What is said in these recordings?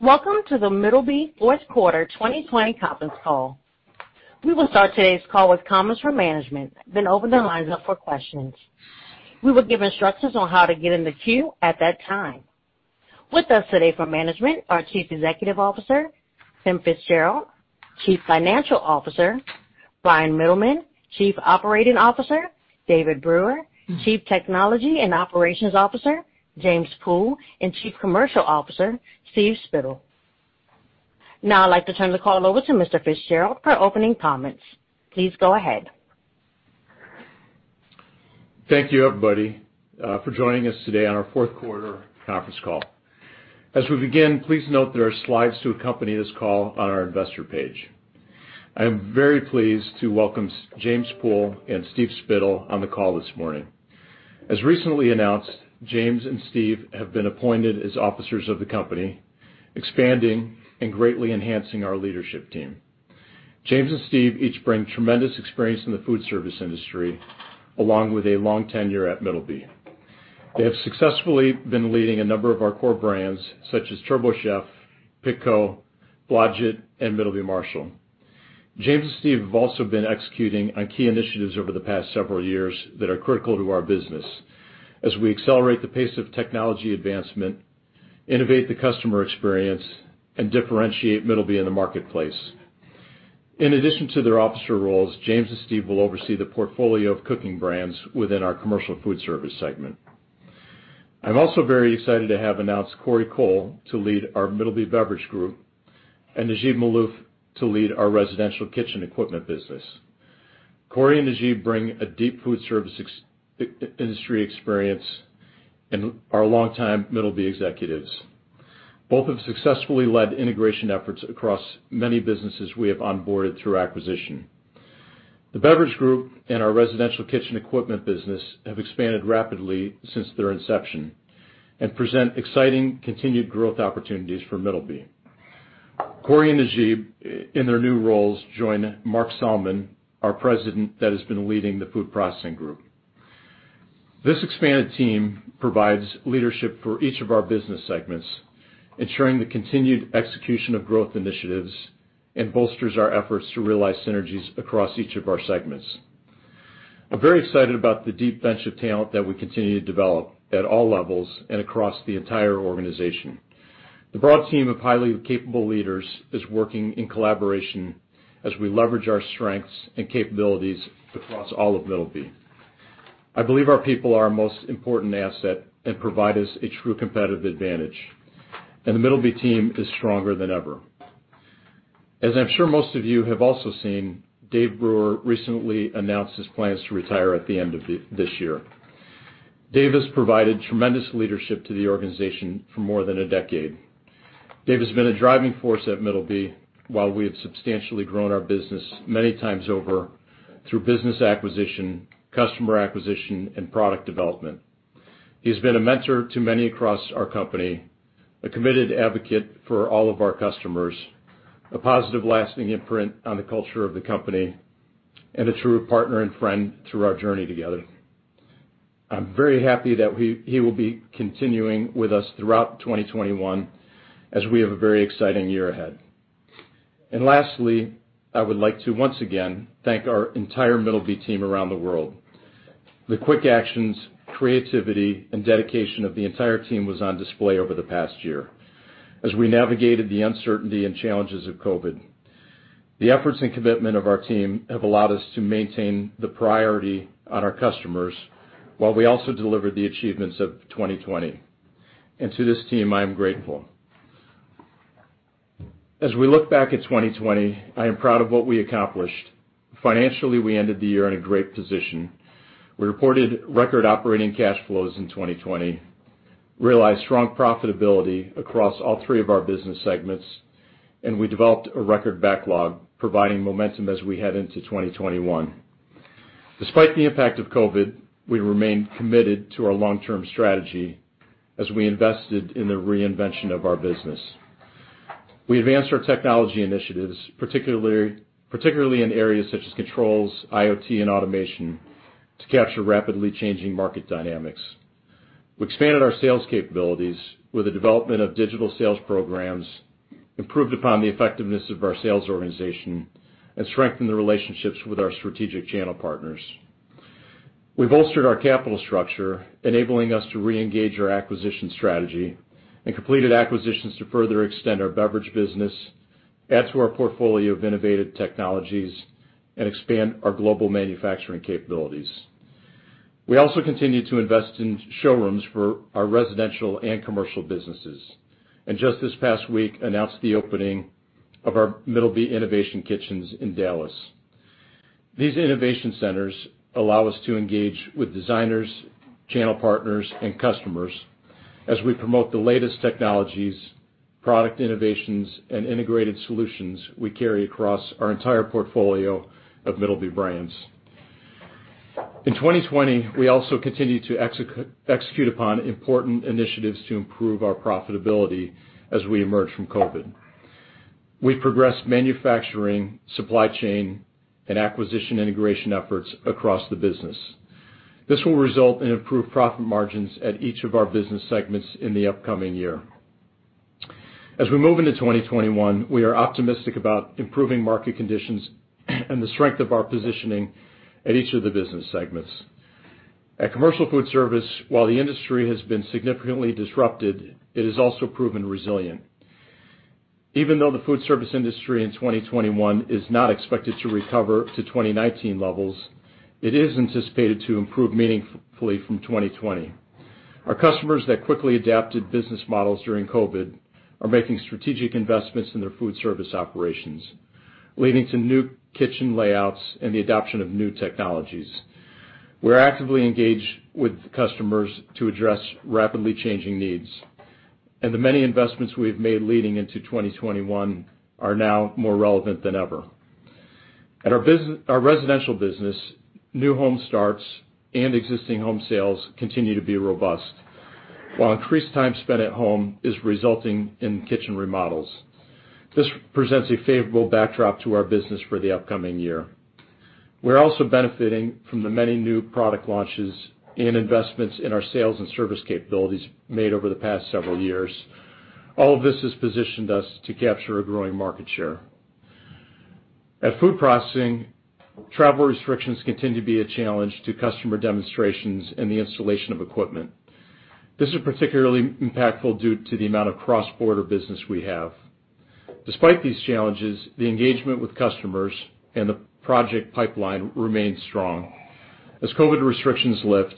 Welcome to The Middleby fourth quarter 2020 conference call. We will start today's call with comments from management, then open the lines up for questions. We will give instructions on how to get in the queue at that time. With us today from management are Chief Executive Officer, Tim FitzGerald, Chief Financial Officer, Bryan Mittelman, Chief Operating Officer, David Brewer, Chief Technology and Operations Officer, James Pool, and Chief Commercial Officer, Steve Spittle. Now I'd like to turn the call over to Mr. FitzGerald for opening comments. Please go ahead. Thank you, everybody, for joining us today on our fourth quarter conference call. As we begin, please note there are slides to accompany this call on our investor page. I am very pleased to welcome James Pool and Steve Spittle on the call this morning. As recently announced, James and Steve have been appointed as officers of the company, expanding and greatly enhancing our leadership team. James and Steve each bring tremendous experience in the food service industry, along with a long tenure at Middleby. They have successfully been leading a number of our core brands such as TurboChef, Pitco, Blodgett, and Middleby Marshall. James and Steve have also been executing on key initiatives over the past several years that are critical to our business as we accelerate the pace of technology advancement, innovate the customer experience, and differentiate Middleby in the marketplace. In addition to their officer roles, James and Steve Spittle will oversee the portfolio of cooking brands within our commercial food service segment. I'm also very excited to have announced Korey Kohl to lead our Middleby Beverage Group, and Najib Maalouf to lead our Residential Kitchen Equipment business. Korey and Najib bring a deep food service industry experience and are longtime Middleby executives. Both have successfully led integration efforts across many businesses we have onboarded through acquisition. The Beverage Group and our Residential Kitchen Equipment business have expanded rapidly since their inception and present exciting continued growth opportunities for Middleby. Korey and Najib, in their new roles, join Mark Salman, our president that has been leading the Food Processing Group. This expanded team provides leadership for each of our business segments, ensuring the continued execution of growth initiatives, and bolsters our efforts to realize synergies across each of our segments. I'm very excited about the deep bench of talent that we continue to develop at all levels and across the entire organization. The broad team of highly capable leaders is working in collaboration as we leverage our strengths and capabilities across all of Middleby. I believe our people are our most important asset and provide us a true competitive advantage. The Middleby team is stronger than ever. As I'm sure most of you have also seen, David Brewer recently announced his plans to retire at the end of this year. Dave has provided tremendous leadership to the organization for more than a decade. Dave has been a driving force at Middleby while we have substantially grown our business many times over through business acquisition, customer acquisition, and product development. He has been a mentor to many across our company, a committed advocate for all of our customers, a positive lasting imprint on the culture of the company, and a true partner and friend through our journey together. I'm very happy that he will be continuing with us throughout 2021 as we have a very exciting year ahead. Lastly, I would like to once again thank our entire Middleby team around the world. The quick actions, creativity, and dedication of the entire team was on display over the past year as we navigated the uncertainty and challenges of COVID. The efforts and commitment of our team have allowed us to maintain the priority on our customers while we also delivered the achievements of 2020. To this team, I am grateful. As we look back at 2020, I am proud of what we accomplished. Financially, we ended the year in a great position. We reported record operating cash flows in 2020, realized strong profitability across all three of our business segments, and we developed a record backlog, providing momentum as we head into 2021. Despite the impact of COVID, we remain committed to our long-term strategy as we invested in the reinvention of our business. We advanced our technology initiatives, particularly in areas such as controls, IoT, and automation to capture rapidly changing market dynamics. We expanded our sales capabilities with the development of digital sales programs, improved upon the effectiveness of our sales organization, and strengthened the relationships with our strategic channel partners. We bolstered our capital structure, enabling us to reengage our acquisition strategy, and completed acquisitions to further extend our beverage business, add to our portfolio of innovative technologies, and expand our global manufacturing capabilities. We also continue to invest in showrooms for our residential and commercial businesses, and just this past week announced the opening of our Middleby Innovation Kitchens in Dallas. These innovation centers allow us to engage with designers, channel partners, and customers as we promote the latest technologies, product innovations, and integrated solutions we carry across our entire portfolio of Middleby brands. In 2020, we also continued to execute upon important initiatives to improve our profitability as we emerge from COVID. We've progressed manufacturing, supply chain, and acquisition integration efforts across the business. This will result in improved profit margins at each of our business segments in the upcoming year. As we move into 2021, we are optimistic about improving market conditions and the strength of our positioning at each of the business segments. At Commercial Foodservice, while the industry has been significantly disrupted, it has also proven resilient. Even though the foodservice industry in 2021 is not expected to recover to 2019 levels, it is anticipated to improve meaningfully from 2020. Our customers that quickly adapted business models during COVID are making strategic investments in their foodservice operations, leading to new kitchen layouts and the adoption of new technologies. We're actively engaged with customers to address rapidly changing needs, and the many investments we have made leading into 2021 are now more relevant than ever. At our residential business, new home starts and existing home sales continue to be robust, while increased time spent at home is resulting in kitchen remodels. This presents a favorable backdrop to our business for the upcoming year. We're also benefiting from the many new product launches and investments in our sales and service capabilities made over the past several years. All of this has positioned us to capture a growing market share. At Food Processing, travel restrictions continue to be a challenge to customer demonstrations and the installation of equipment. This is particularly impactful due to the amount of cross-border business we have. Despite these challenges, the engagement with customers and the project pipeline remains strong. As COVID restrictions lift,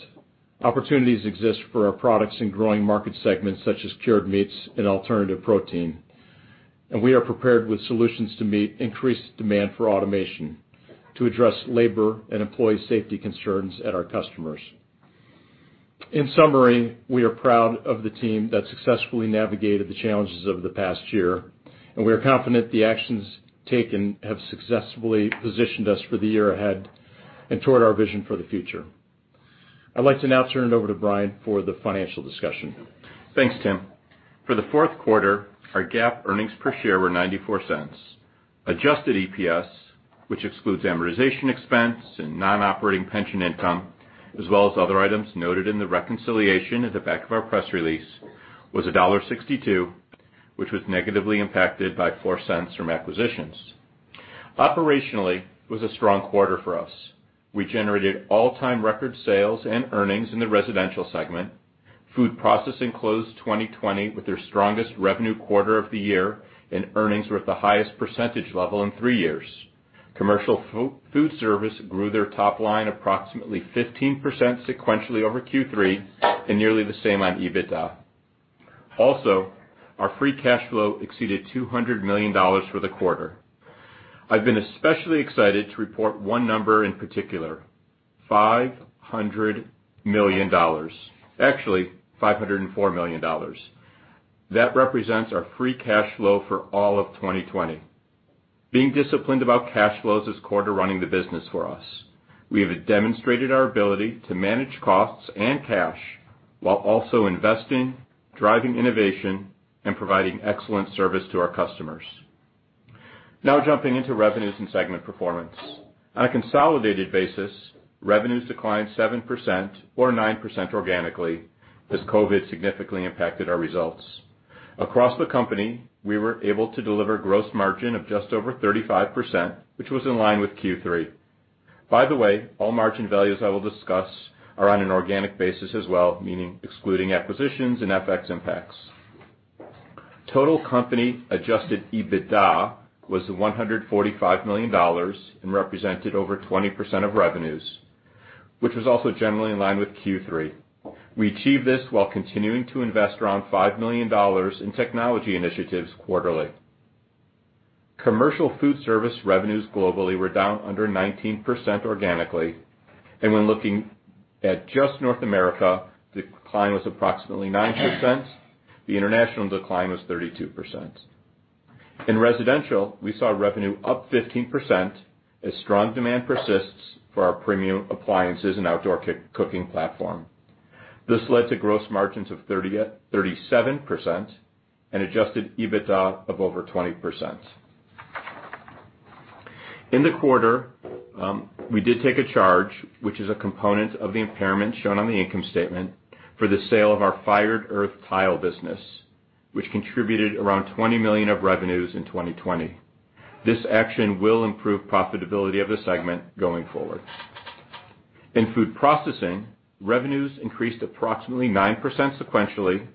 opportunities exist for our products in growing market segments, such as cured meats and alternative protein, and we are prepared with solutions to meet increased demand for automation to address labor and employee safety concerns at our customers. In summary, we are proud of the team that successfully navigated the challenges of the past year, and we are confident the actions taken have successfully positioned us for the year ahead and toward our vision for the future. I'd like to now turn it over to Bryan for the financial discussion. Thanks, Tim. For the fourth quarter, our GAAP earnings per share were $0.94. Adjusted EPS, which excludes amortization expense and non-operating pension income, as well as other items noted in the reconciliation at the back of our press release, was $1.62, which was negatively impacted by $0.04 from acquisitions. Operationally, it was a strong quarter for us. We generated all-time record sales and earnings in the Residential segment. Food Processing closed 2020 with their strongest revenue quarter of the year, and earnings were at the highest percentage level in three years. Commercial Foodservice grew their top line approximately 15% sequentially over Q3 and nearly the same on EBITDA. Our free cash flow exceeded $200 million for the quarter. I've been especially excited to report one number in particular, $500 million. Actually, $504 million. That represents our free cash flow for all of 2020. Being disciplined about cash flows is core to running the business for us. We have demonstrated our ability to manage costs and cash while also investing, driving innovation, and providing excellent service to our customers. Jumping into revenues and segment performance. On a consolidated basis, revenues declined 7%, or 9% organically, as COVID significantly impacted our results. Across the company, we were able to deliver gross margin of just over 35%, which was in line with Q3. By the way, all margin values I will discuss are on an organic basis as well, meaning excluding acquisitions and FX impacts. Total company adjusted EBITDA was $145 million and represented over 20% of revenues, which was also generally in line with Q3. We achieved this while continuing to invest around $5 million in technology initiatives quarterly. Commercial Foodservice revenues globally were down under 19% organically, and when looking at just North America, the decline was approximately 9%. The international decline was 32%. In Residential, we saw revenue up 15% as strong demand persists for our premium appliances and outdoor cooking platform. This led to gross margins of 37% and adjusted EBITDA of over 20%. In the quarter, we did take a charge, which is a component of the impairment shown on the income statement, for the sale of our Fired Earth Tile business, which contributed around $20 million of revenues in 2020. This action will improve profitability of the segment going forward. In Food Processing, revenues increased approximately 9% sequentially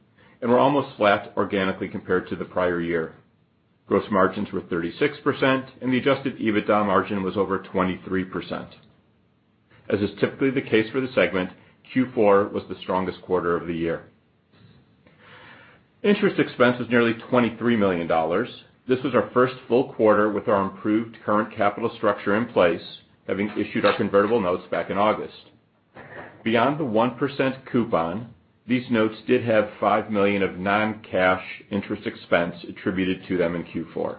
and were almost flat organically compared to the prior year. Gross margins were 36%, and the adjusted EBITDA margin was over 23%. As is typically the case for the segment, Q4 was the strongest quarter of the year. Interest expense was nearly $23 million. This was our first full quarter with our improved current capital structure in place, having issued our convertible notes back in August. Beyond the 1% coupon, these notes did have $5 million of non-cash interest expense attributed to them in Q4.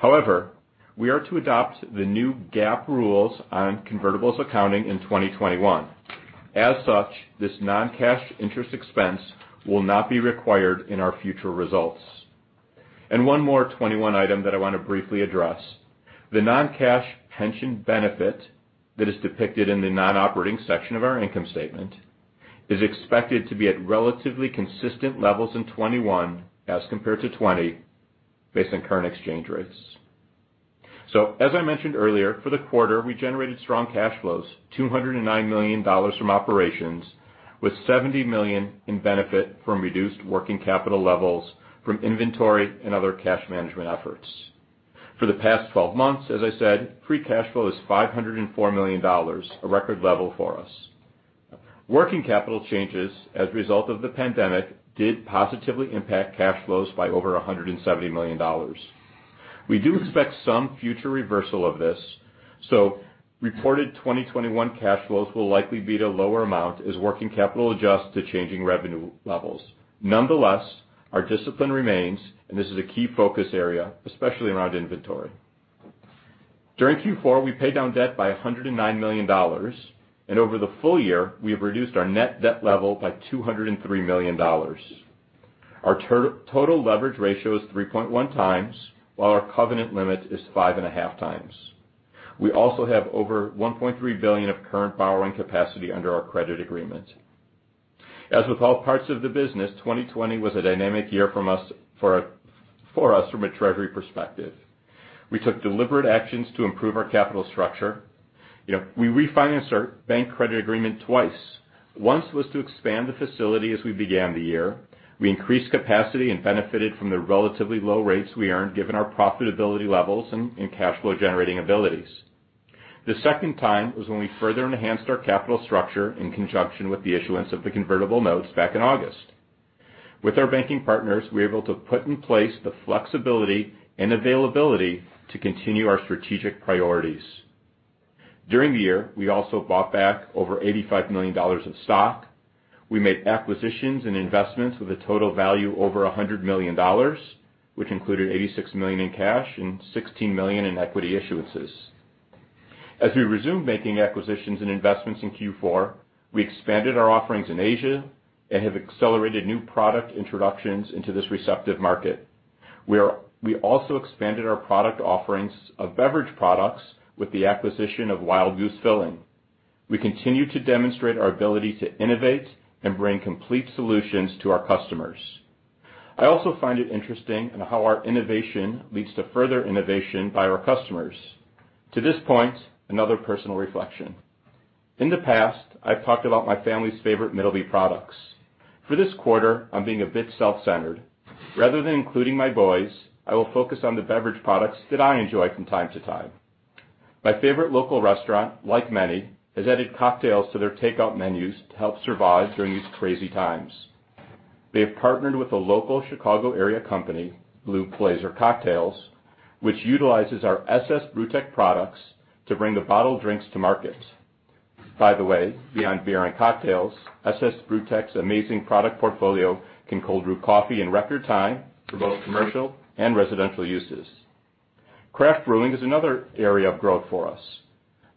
However, we are to adopt the new GAAP rules on convertibles accounting in 2021. This non-cash interest expense will not be required in our future results. One more 2021 item that I want to briefly address, the non-cash pension benefit that is depicted in the non-operating section of our income statement is expected to be at relatively consistent levels in 2021 as compared to 2020, based on current exchange rates. As I mentioned earlier, for the quarter, we generated strong cash flows, $209 million from operations, with $70 million in benefit from reduced working capital levels from inventory and other cash management efforts. For the past 12 months, as I said, free cash flow is $504 million, a record level for us. Working capital changes as a result of the pandemic did positively impact cash flows by over $170 million. We do expect some future reversal of this, so reported 2021 cash flows will likely be at a lower amount as working capital adjusts to changing revenue levels. Nonetheless, our discipline remains, and this is a key focus area, especially around inventory. During Q4, we paid down debt by $109 million, and over the full year, we have reduced our net debt level by $203 million. Our total leverage ratio is 3.1x, while our covenant limit is 5.5x. We also have over $1.3 billion of current borrowing capacity under our credit agreement. As with all parts of the business, 2020 was a dynamic year for us from a treasury perspective. We took deliberate actions to improve our capital structure. We refinanced our bank credit agreement twice. Once was to expand the facility as we began the year. We increased capacity and benefited from the relatively low rates we earned, given our profitability levels and cash flow-generating abilities. The second time was when we further enhanced our capital structure in conjunction with the issuance of the convertible notes back in August. With our banking partners, we were able to put in place the flexibility and availability to continue our strategic priorities. During the year, we also bought back over $85 million of stock. We made acquisitions and investments with a total value over $100 million, which included $86 million in cash and $16 million in equity issuances. As we resumed making acquisitions and investments in Q4, we expanded our offerings in Asia and have accelerated new product introductions into this receptive market. We also expanded our product offerings of beverage products with the acquisition of Wild Goose Filling. We continue to demonstrate our ability to innovate and bring complete solutions to our customers. I also find it interesting in how our innovation leads to further innovation by our customers. To this point, another personal reflection. In the past, I've talked about my family's favorite Middleby products. For this quarter, I'm being a bit self-centered. Rather than including my boys, I will focus on the beverage products that I enjoy from time to time. My favorite local restaurant, like many, has added cocktails to their takeout menus to help survive during these crazy times. They have partnered with a local Chicago-area company, Blue Blazer, which utilizes our Ss Brewtech products to bring the bottled drinks to market. By the way, beyond beer and cocktails, Ss Brewtech's amazing product portfolio can cold brew coffee in record time for both commercial and residential uses. Craft brewing is another area of growth for us.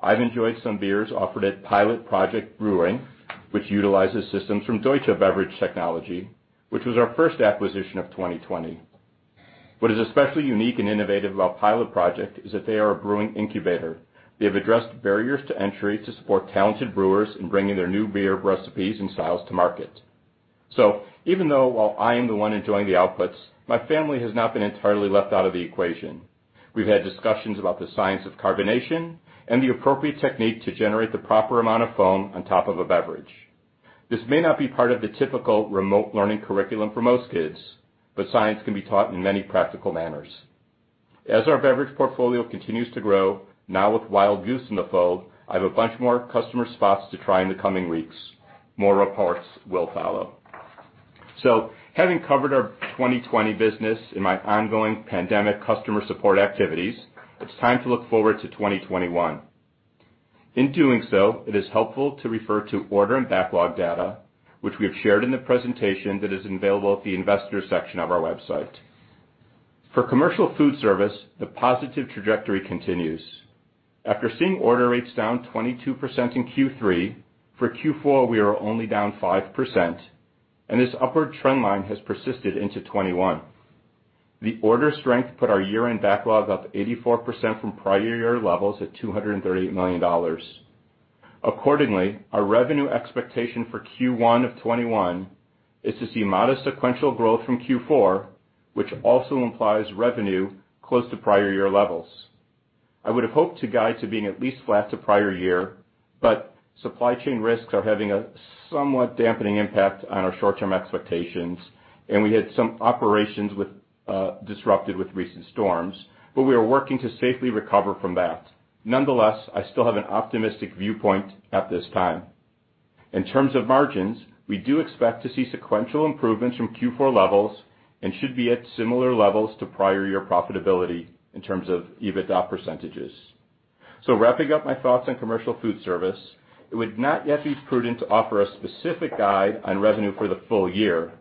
I've enjoyed some beers offered at Pilot Project Brewing, which utilizes systems from Deutsche Beverage Technology, which was our first acquisition of 2020. What is especially unique and innovative about Pilot Project is that they are a brewing incubator. They have addressed barriers to entry to support talented brewers in bringing their new beer recipes and styles to market. Even though while I am the one enjoying the outputs, my family has not been entirely left out of the equation. We've had discussions about the science of carbonation and the appropriate technique to generate the proper amount of foam on top of a beverage. This may not be part of the typical remote learning curriculum for most kids, but science can be taught in many practical manners. As our beverage portfolio continues to grow, now with Wild Goose in the fold, I have a bunch more customer spots to try in the coming weeks. More reports will follow. Having covered our 2020 business in my ongoing pandemic customer support activities, it's time to look forward to 2021. In doing so, it is helpful to refer to order and backlog data, which we have shared in the presentation that is available at the investor section of our website. For commercial food service, the positive trajectory continues. After seeing order rates down 22% in Q3, for Q4, we are only down 5%, and this upward trend line has persisted into 2021. The order strength put our year-end backlog up 84% from prior year levels at $238 million. Accordingly, our revenue expectation for Q1 of 2021 is to see modest sequential growth from Q4, which also implies revenue close to prior year levels. I would have hoped to guide to being at least flat to prior year, but supply chain risks are having a somewhat dampening impact on our short-term expectations, and we had some operations disrupted with recent storms, but we are working to safely recover from that. Nonetheless, I still have an optimistic viewpoint at this time. In terms of margins, we do expect to see sequential improvements from Q4 levels and should be at similar levels to prior year profitability in terms of EBITDA percentages. Wrapping up my thoughts on commercial food service, it would not yet be prudent to offer a specific guide on revenue for the full year.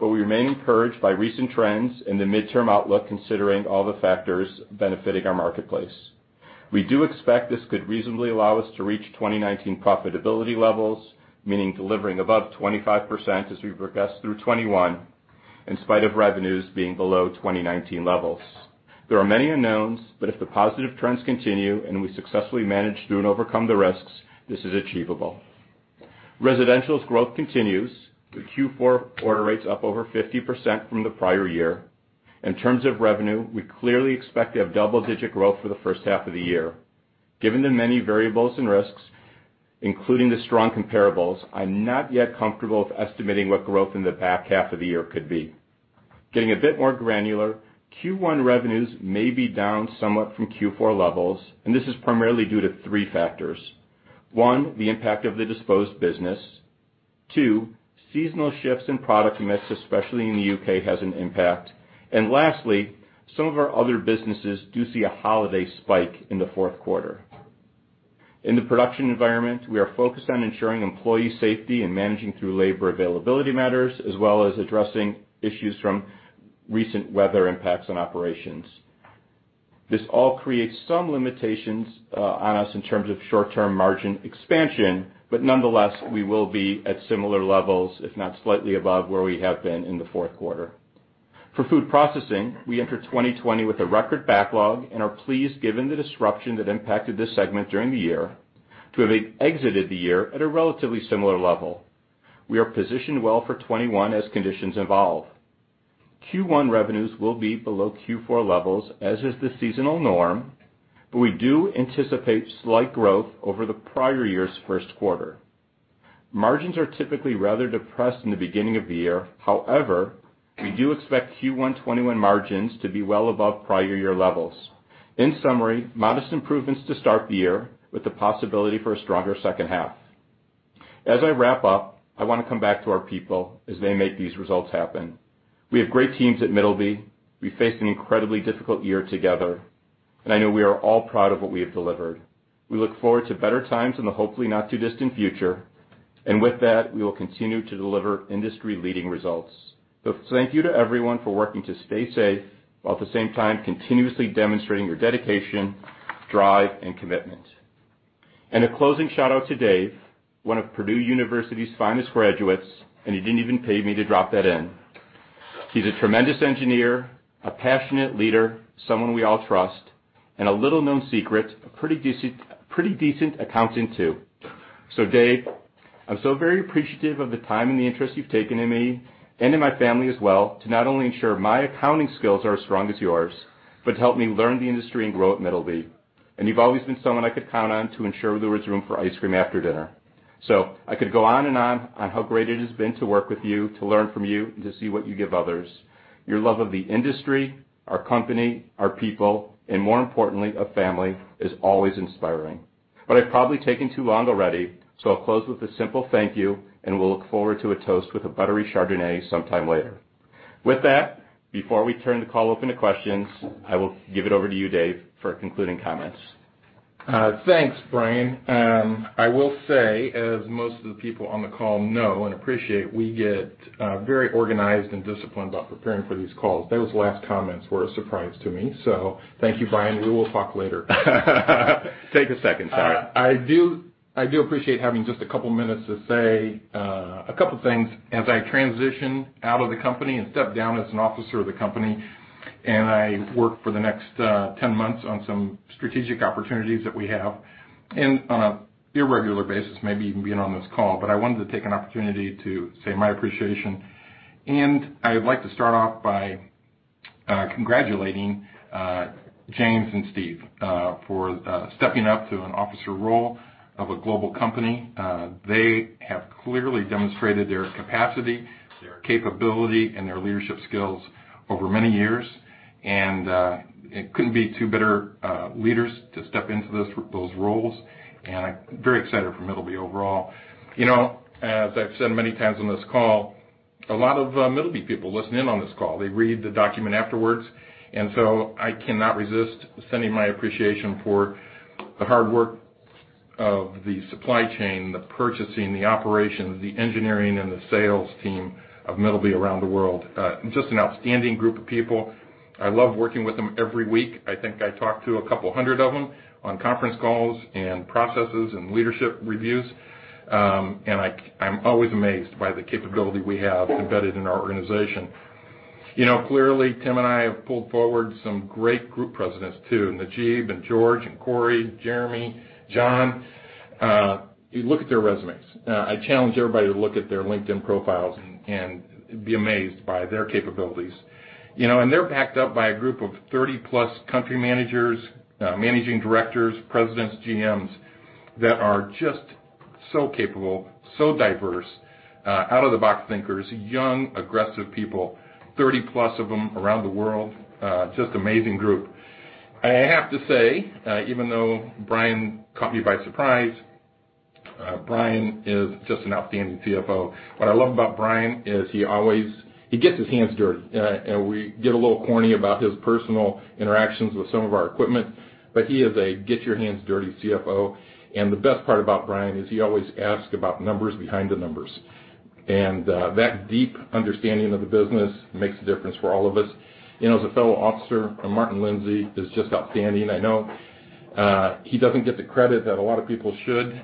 We remain encouraged by recent trends in the midterm outlook, considering all the factors benefiting our marketplace. We do expect this could reasonably allow us to reach 2019 profitability levels, meaning delivering above 25% as we progress through 2021, in spite of revenues being below 2019 levels. There are many unknowns, but if the positive trends continue and we successfully manage through and overcome the risks, this is achievable. Residential's growth continues, with Q4 order rates up over 50% from the prior year. In terms of revenue, we clearly expect to have double-digit growth for the first half of the year. Given the many variables and risks, including the strong comparables, I'm not yet comfortable with estimating what growth in the back half of the year could be. Getting a bit more granular, Q1 revenues may be down somewhat from Q4 levels. This is primarily due to three factors. One, the impact of the disposed business. Two, seasonal shifts in product mix, especially in the U.K., has an impact. Lastly, some of our other businesses do see a holiday spike in the fourth quarter. In the production environment, we are focused on ensuring employee safety and managing through labor availability matters, as well as addressing issues from recent weather impacts on operations. This all creates some limitations on us in terms of short-term margin expansion. Nonetheless, we will be at similar levels if not slightly above where we have been in the fourth quarter. For food processing, we enter 2020 with a record backlog and are pleased, given the disruption that impacted this segment during the year, to have exited the year at a relatively similar level. We are positioned well for 2021 as conditions evolve. Q1 revenues will be below Q4 levels, as is the seasonal norm. We do anticipate slight growth over the prior year's first quarter. Margins are typically rather depressed in the beginning of the year. However, we do expect Q1 2021 margins to be well above prior year levels. In summary, modest improvements to start the year with the possibility for a stronger second half. As I wrap up, I want to come back to our people as they make these results happen. We have great teams at Middleby. We faced an incredibly difficult year together, and I know we are all proud of what we have delivered. We look forward to better times in the hopefully not too distant future. With that, we will continue to deliver industry-leading results. Thank you to everyone for working to stay safe, while at the same time continuously demonstrating your dedication, drive, and commitment. A closing shout-out to Dave, one of Purdue University's finest graduates, and he didn't even pay me to drop that in. He's a tremendous engineer, a passionate leader, someone we all trust, and a little-known secret, a pretty decent accountant, too. Dave, I'm so very appreciative of the time and the interest you've taken in me, and in my family as well, to not only ensure my accounting skills are as strong as yours, but to help me learn the industry and grow at Middleby. You've always been someone I could count on to ensure there was room for ice cream after dinner. I could go on and on how great it has been to work with you, to learn from you, and to see what you give others. Your love of the industry, our company, our people, and more importantly, of family, is always inspiring. I've probably taken too long already, so I'll close with a simple thank you, and we'll look forward to a toast with a buttery Chardonnay sometime later. With that, before we turn the call open to questions, I will give it over to you, Dave, for concluding comments. Thanks, Bryan. I will say, as most of the people on the call know and appreciate, we get very organized and disciplined about preparing for these calls. Those last comments were a surprise to me. Thank you, Bryan. We will talk later. Take a second, sorry. I do appreciate having just a couple of minutes to say a couple of things as I transition out of the company and step down as an officer of the company, and I work for the next 10 months on some strategic opportunities that we have, and on an irregular basis, maybe even being on this call. I wanted to take an opportunity to say my appreciation. I would like to start off by congratulating James and Steve for stepping up to an officer role of a global company. They have clearly demonstrated their capacity, their capability, and their leadership skills over many years, and it couldn't be two better leaders to step into those roles, and I'm very excited for Middleby overall. As I've said many times on this call, a lot of Middleby people listen in on this call. They read the document afterwards. I cannot resist sending my appreciation for the hard work of the supply chain, the purchasing, the operations, the engineering, and the sales team of Middleby around the world. Just an outstanding group of people. I love working with them every week. I think I talk to a couple of hundred of them on conference calls and processes and leadership reviews. I'm always amazed by the capability we have embedded in our organization. Clearly, Tim and I have pulled forward some great group presidents, too, in Najib and George and Korey, Jeremy, John. Look at their resumes. I challenge everybody to look at their LinkedIn profiles and be amazed by their capabilities. They're backed up by a group of 30+ country managers, managing directors, presidents, GMs, that are just so capable, so diverse, out-of-the-box thinkers, young, aggressive people, 30+ of them around the world. Just amazing group. I have to say, even though Bryan caught me by surprise, Bryan is just an outstanding Chief Financial Officer. What I love about Bryan is he always gets his hands dirty. We get a little corny about his personal interactions with some of our equipment, but he is a get-your-hands-dirty Chief Financial Officer. The best part about Bryan is he always asks about numbers behind the numbers. That deep understanding of the business makes a difference for all of us. As a fellow officer, Martin Lindsay is just outstanding. I know he doesn't get the credit that a lot of people should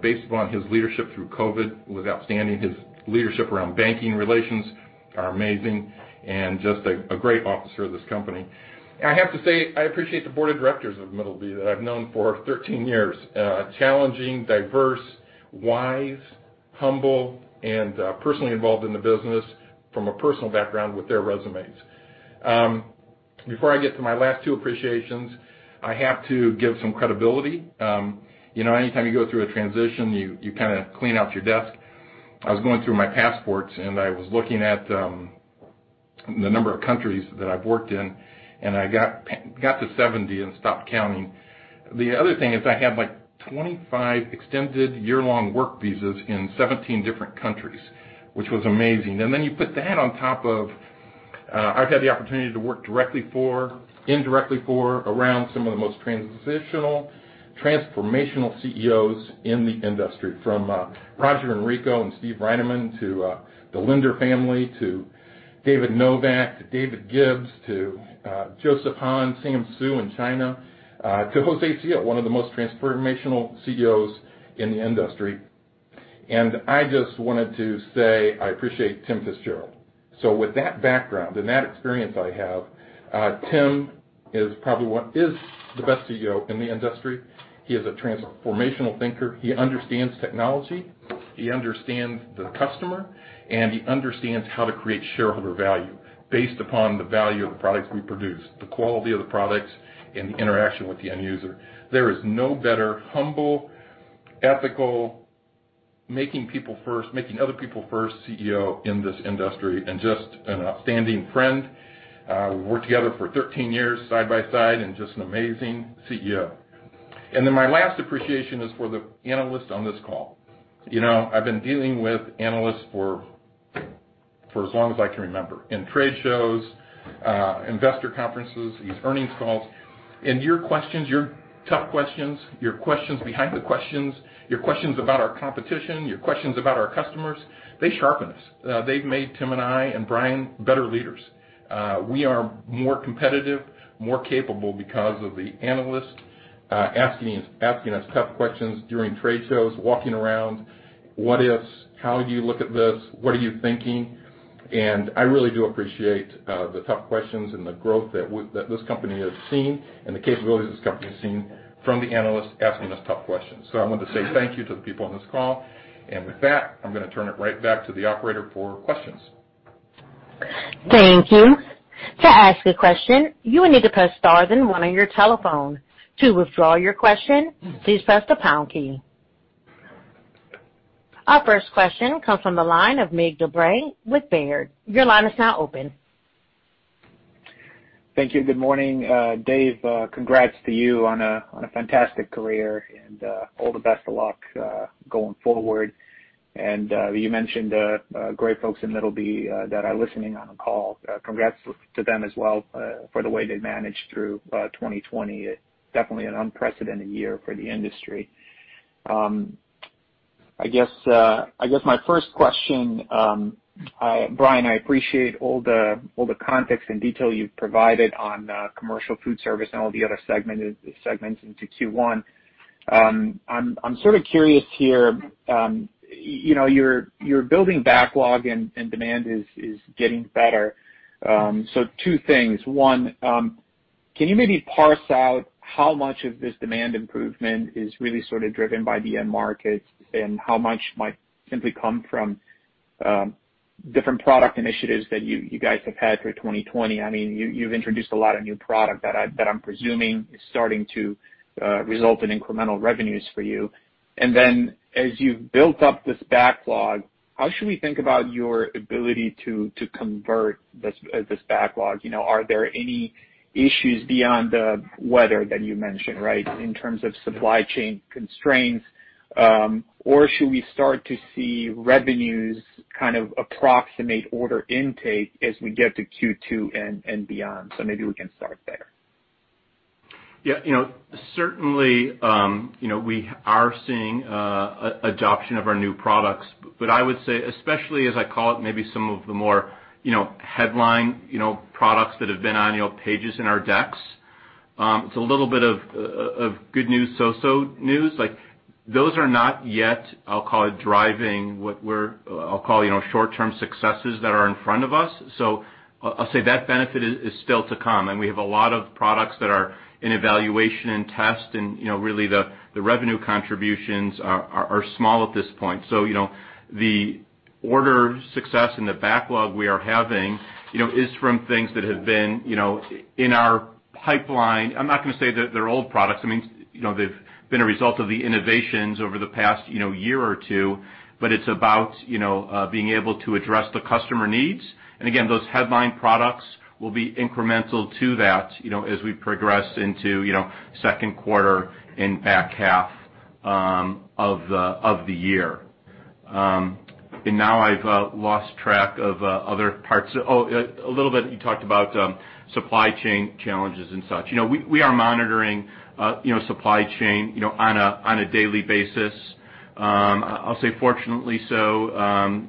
based upon his leadership through COVID, was outstanding. His leadership around banking relations are amazing and just a great officer of this company. I have to say, I appreciate the board of directors of Middleby that I've known for 13 years. Challenging, diverse, wise, humble, and personally involved in the business from a personal background with their resumes. Before I get to my last two appreciations, I have to give some credibility. Anytime you go through a transition, you clean out your desk. I was going through my passports, and I was looking at the number of countries that I've worked in, and I got to 70 and stopped counting. The other thing is I have 25 extended year-long work visas in 17 different countries, which was amazing. Then you put that on top of, I've had the opportunity to work directly for, indirectly for, around some of the most transitional, transformational Chief Executive Officers in the industry. From Roger Enrico and Steve Reinemund to the Lindner family, to David Novak, to David Gibbs, to Joseph Han, Sam Su in China, to José Cil, one of the most transformational Chief Executive Officers in the industry. I just wanted to say I appreciate Tim FitzGerald. With that background and that experience I have, Tim is the best Chief Executive Officer in the industry. He is a transformational thinker. He understands technology, he understands the customer, and he understands how to create shareholder value based upon the value of the products we produce, the quality of the products, and the interaction with the end user. There is no better humble, ethical, making other people first Chief Executive Officer in this industry, and just an outstanding friend. We've worked together for 13 years side by side, and just an amazing Chief Executive Officer. My last appreciation is for the analysts on this call. I've been dealing with analysts for as long as I can remember, in trade shows, investor conferences, these earnings calls. Your questions, your tough questions, your questions behind the questions, your questions about our competition, your questions about our customers, they sharpen us. They've made Tim and I and Bryan better leaders. We are more competitive, more capable because of the analysts asking us tough questions during trade shows, walking around, what ifs, how do you look at this? What are you thinking? I really do appreciate the tough questions and the growth that this company has seen and the capabilities this company has seen from the analysts asking us tough questions. I wanted to say thank you to the people on this call. With that, I'm going to turn it right back to the operator for questions. Our first question comes from the line of Mircea Dobre with Baird. Your line is now open. Thank you. Good morning. Dave, congrats to you on a fantastic career, and all the best of luck going forward. You mentioned great folks in Middleby that are listening on the call. Congrats to them as well for the way they managed through 2020. Definitely an unprecedented year for the industry. I guess my first question, Bryan, I appreciate all the context and detail you've provided on commercial food service and all the other segments into Q1. I'm sort of curious here. You're building backlog and demand is getting better. Two things. One, can you maybe parse out how much of this demand improvement is really sort of driven by the end markets, and how much might simply come from different product initiatives that you guys have had through 2020? You've introduced a lot of new product that I'm presuming is starting to result in incremental revenues for you. As you've built up this backlog, how should we think about your ability to convert this backlog? Are there any issues beyond the weather that you mentioned, in terms of supply chain constraints? Should we start to see revenues kind of approximate order intake as we get to Q2 and beyond? Maybe we can start there. Yeah. Certainly, we are seeing adoption of our new products. I would say, especially as I call it, maybe some of the more headline products that have been on pages in our decks, it's a little bit of good news, so-so news. Those are not yet, I'll call it driving what we're, I'll call short-term successes that are in front of us. I'll say that benefit is still to come, and we have a lot of products that are in evaluation and test, and really the revenue contributions are small at this point. The order success and the backlog we are having is from things that have been in our pipeline. I'm not going to say that they're old products. They've been a result of the innovations over the past year or two, but it's about being able to address the customer needs. Again, those headline products will be incremental to that as we progress into second quarter and back half of the year. Now I've lost track of other parts. A little bit, you talked about supply chain challenges and such. We are monitoring supply chain on a daily basis. I'll say fortunately so.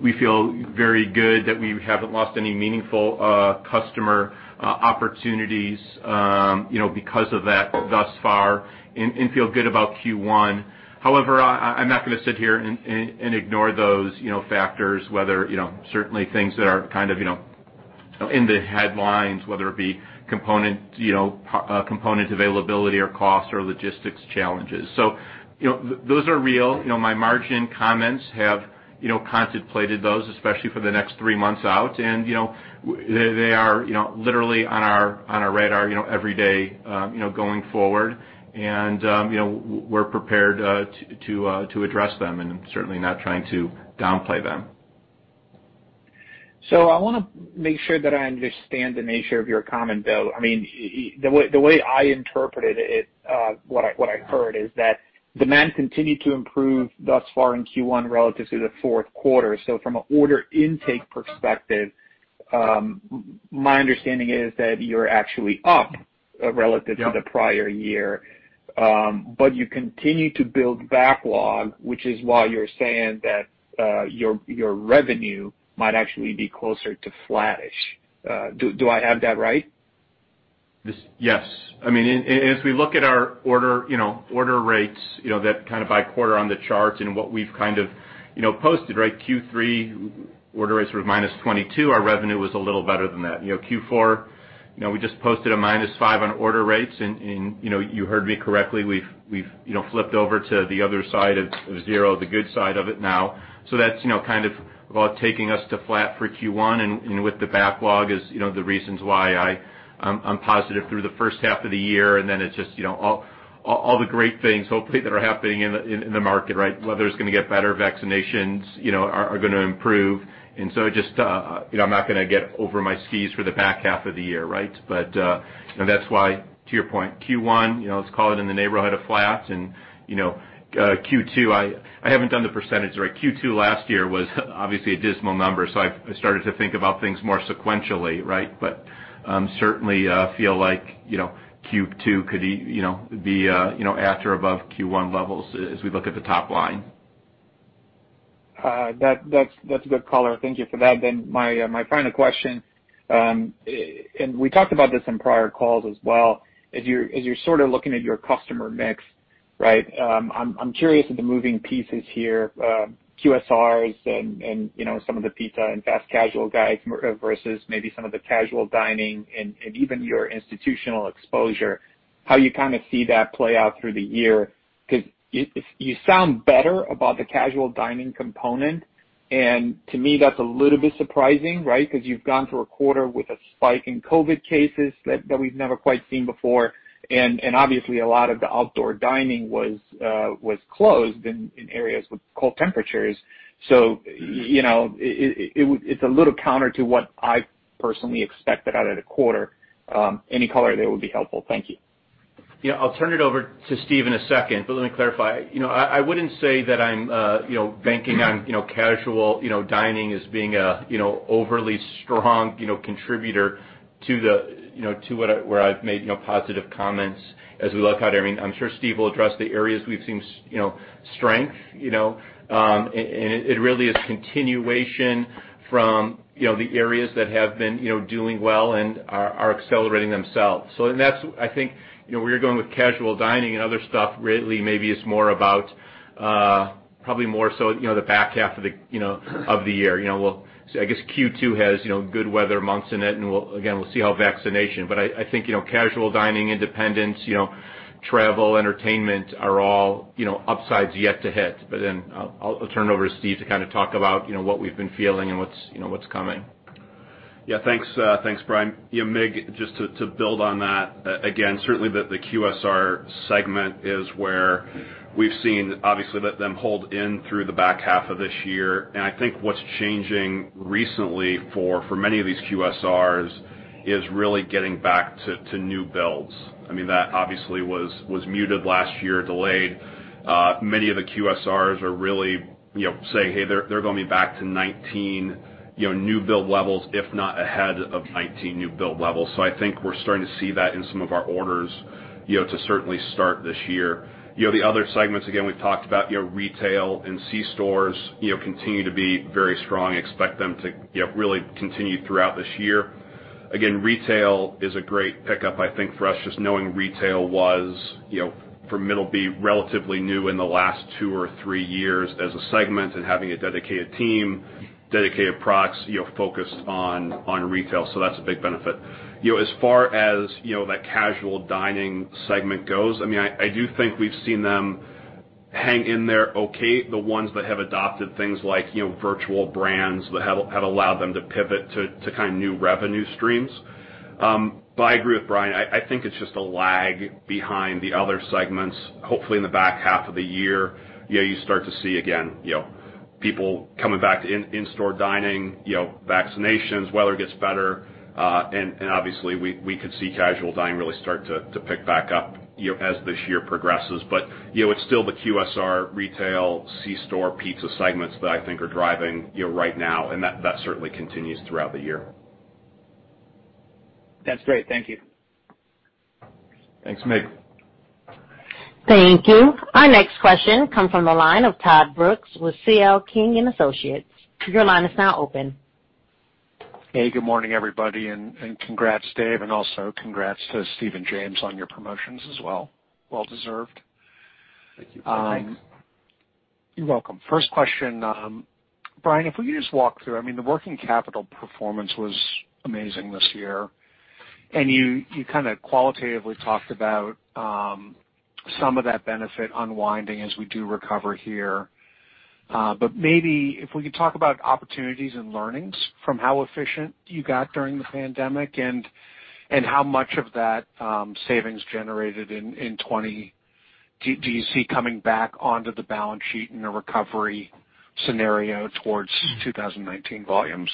We feel very good that we haven't lost any meaningful customer opportunities because of that thus far and feel good about Q1. However, I'm not going to sit here and ignore those factors, certainly things that are kind of in the headlines, whether it be component availability or cost or logistics challenges. Those are real. My margin comments have contemplated those, especially for the next three months out, and they are literally on our radar every day going forward. We're prepared to address them and certainly not trying to downplay them. I want to make sure that I understand the nature of your comment, Bryan. The way I interpreted it, what I heard is that demand continued to improve thus far in Q1 relative to the fourth quarter. From an order intake perspective, my understanding is that you're actually up. Yep to the prior year. You continue to build backlog, which is why you're saying that your revenue might actually be closer to flattish. Do I have that right? Yes. As we look at our order rates, that kind of by quarter on the charts and what we've kind of posted, Q3 order rates were -22%, our revenue was a little better than that. Q4, we just posted a -5% on order rates, and you heard me correctly. We've flipped over to the other side of zero, the good side of it now. That's kind of about taking us to flat for Q1 and with the backlog is the reasons why I'm positive through the first half of the year, and then it's just all the great things hopefully that are happening in the market. Weather's going to get better, vaccinations are going to improve. I'm not going to get over my skis for the back half of the year. That's why, to your point, Q1, let's call it in the neighborhood of flat. Q2, I haven't done the percentage. Q2 last year was obviously a dismal number, so I started to think about things more sequentially. Certainly feel like Q2 could be at or above Q1 levels as we look at the top line. That's a good color. Thank you for that. My final question, we talked about this in prior calls as well. As you're sort of looking at your customer mix, I'm curious of the moving pieces here, QSRs and some of the pizza and fast casual guys versus maybe some of the casual dining and even your institutional exposure, how you kind of see that play out through the year. You sound better about the casual dining component, to me, that's a little bit surprising. You've gone through a quarter with a spike in COVID cases that we've never quite seen before, obviously, a lot of the outdoor dining was closed in areas with cold temperatures. It's a little counter to what I personally expected out of the quarter. Any color there would be helpful. Thank you. I'll turn it over to Steve in a second. Let me clarify. I wouldn't say that I'm banking on casual dining as being an overly strong contributor to where I've made positive comments as we look out. I'm sure Steve will address the areas we've seen strength. It really is continuation from the areas that have been doing well and are accelerating themselves. I think where you're going with casual dining and other stuff really maybe is more about probably more so the back half of the year. I guess Q2 has good weather months in it. Again, we'll see how vaccination. I think casual dining, independents, travel, entertainment are all upsides yet to hit. I'll turn it over to Steve to kind of talk about what we've been feeling and what's coming. Thanks, Bryan. Mig, just to build on that, again, certainly the QSR segment is where we've seen, obviously, let them hold in through the back half of this year. I think what's changing recently for many of these QSRs is really getting back to new builds. That obviously was muted last year, delayed. Many of the QSRs are really saying, "Hey," they're going to be back to 2019 new build levels, if not ahead of 2019 new build levels. I think we're starting to see that in some of our orders to certainly start this year. The other segments, again, we've talked about retail and C-stores continue to be very strong. Expect them to really continue throughout this year. Again, retail is a great pickup, I think, for us just knowing retail was, for Middleby, relatively new in the last two or three years as a segment and having a dedicated team, dedicated products focused on retail. That's a big benefit. As far as that casual dining segment goes, I do think we've seen them hang in there okay, the ones that have adopted things like virtual brands that have allowed them to pivot to kind of new revenue streams. I agree with Bryan, I think it's just a lag behind the other segments. Hopefully, in the back half of the year, you start to see, again, people coming back to in-store dining, vaccinations, weather gets better, and obviously, we could see casual dining really start to pick back up as this year progresses. It's still the QSR, retail, C-store, pizza segments that I think are driving right now, and that certainly continues throughout the year. That's great. Thank you. Thanks, Mig. Thank you. Our next question comes from the line of Todd Brooks with C.L. King & Associates. Your line is now open. Hey, good morning, everybody, and congrats, Dave, and also congrats to Steve and James on your promotions as well. Well deserved. Thank you. Thanks. You're welcome. First question. Bryan, if we could just walk through, the working capital performance was amazing this year, and you qualitatively talked about some of that benefit unwinding as we do recover here. Maybe if we could talk about opportunities and learnings from how efficient you got during the pandemic and how much of that savings generated in 2020 do you see coming back onto the balance sheet in a recovery scenario towards 2019 volumes?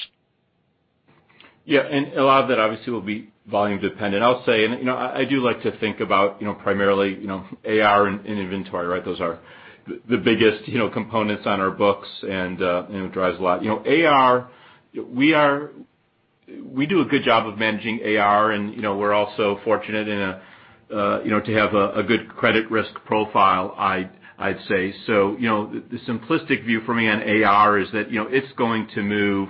Yeah. A lot of that obviously will be volume dependent. I'll say, I do like to think about primarily, AR and inventory, right? Those are the biggest components on our books and it drives a lot. AR, we do a good job of managing AR, and we're also fortunate to have a good credit risk profile, I'd say. The simplistic view for me on AR is that, it's going to move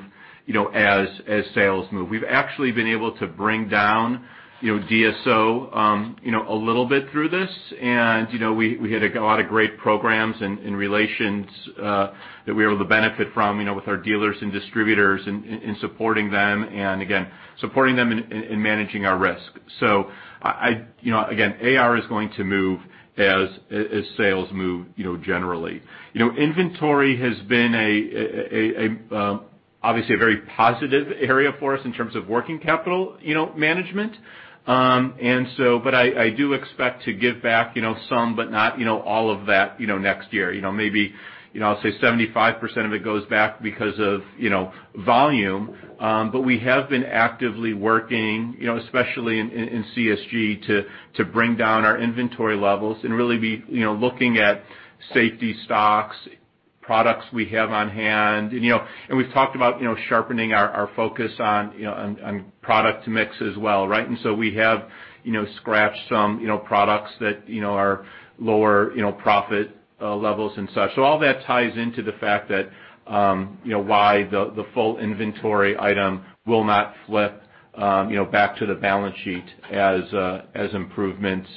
as sales move. We've actually been able to bring down DSO a little bit through this. We had a lot of great programs and relations that we were able to benefit from with our dealers and distributors in supporting them, and again, supporting them in managing our risk. Again, AR is going to move as sales move generally. Inventory has been obviously a very positive area for us in terms of working capital management. I do expect to give back some but not all of that next year. Maybe, I'll say 75% of it goes back because of volume. We have been actively working, especially in CSG, to bring down our inventory levels and really be looking at safety stocks, products we have on hand, and we've talked about sharpening our focus on product mix as well, right? We have scratched some products that are lower profit levels and such. All that ties into the fact that why the full inventory item will not flip back to the balance sheet as improvements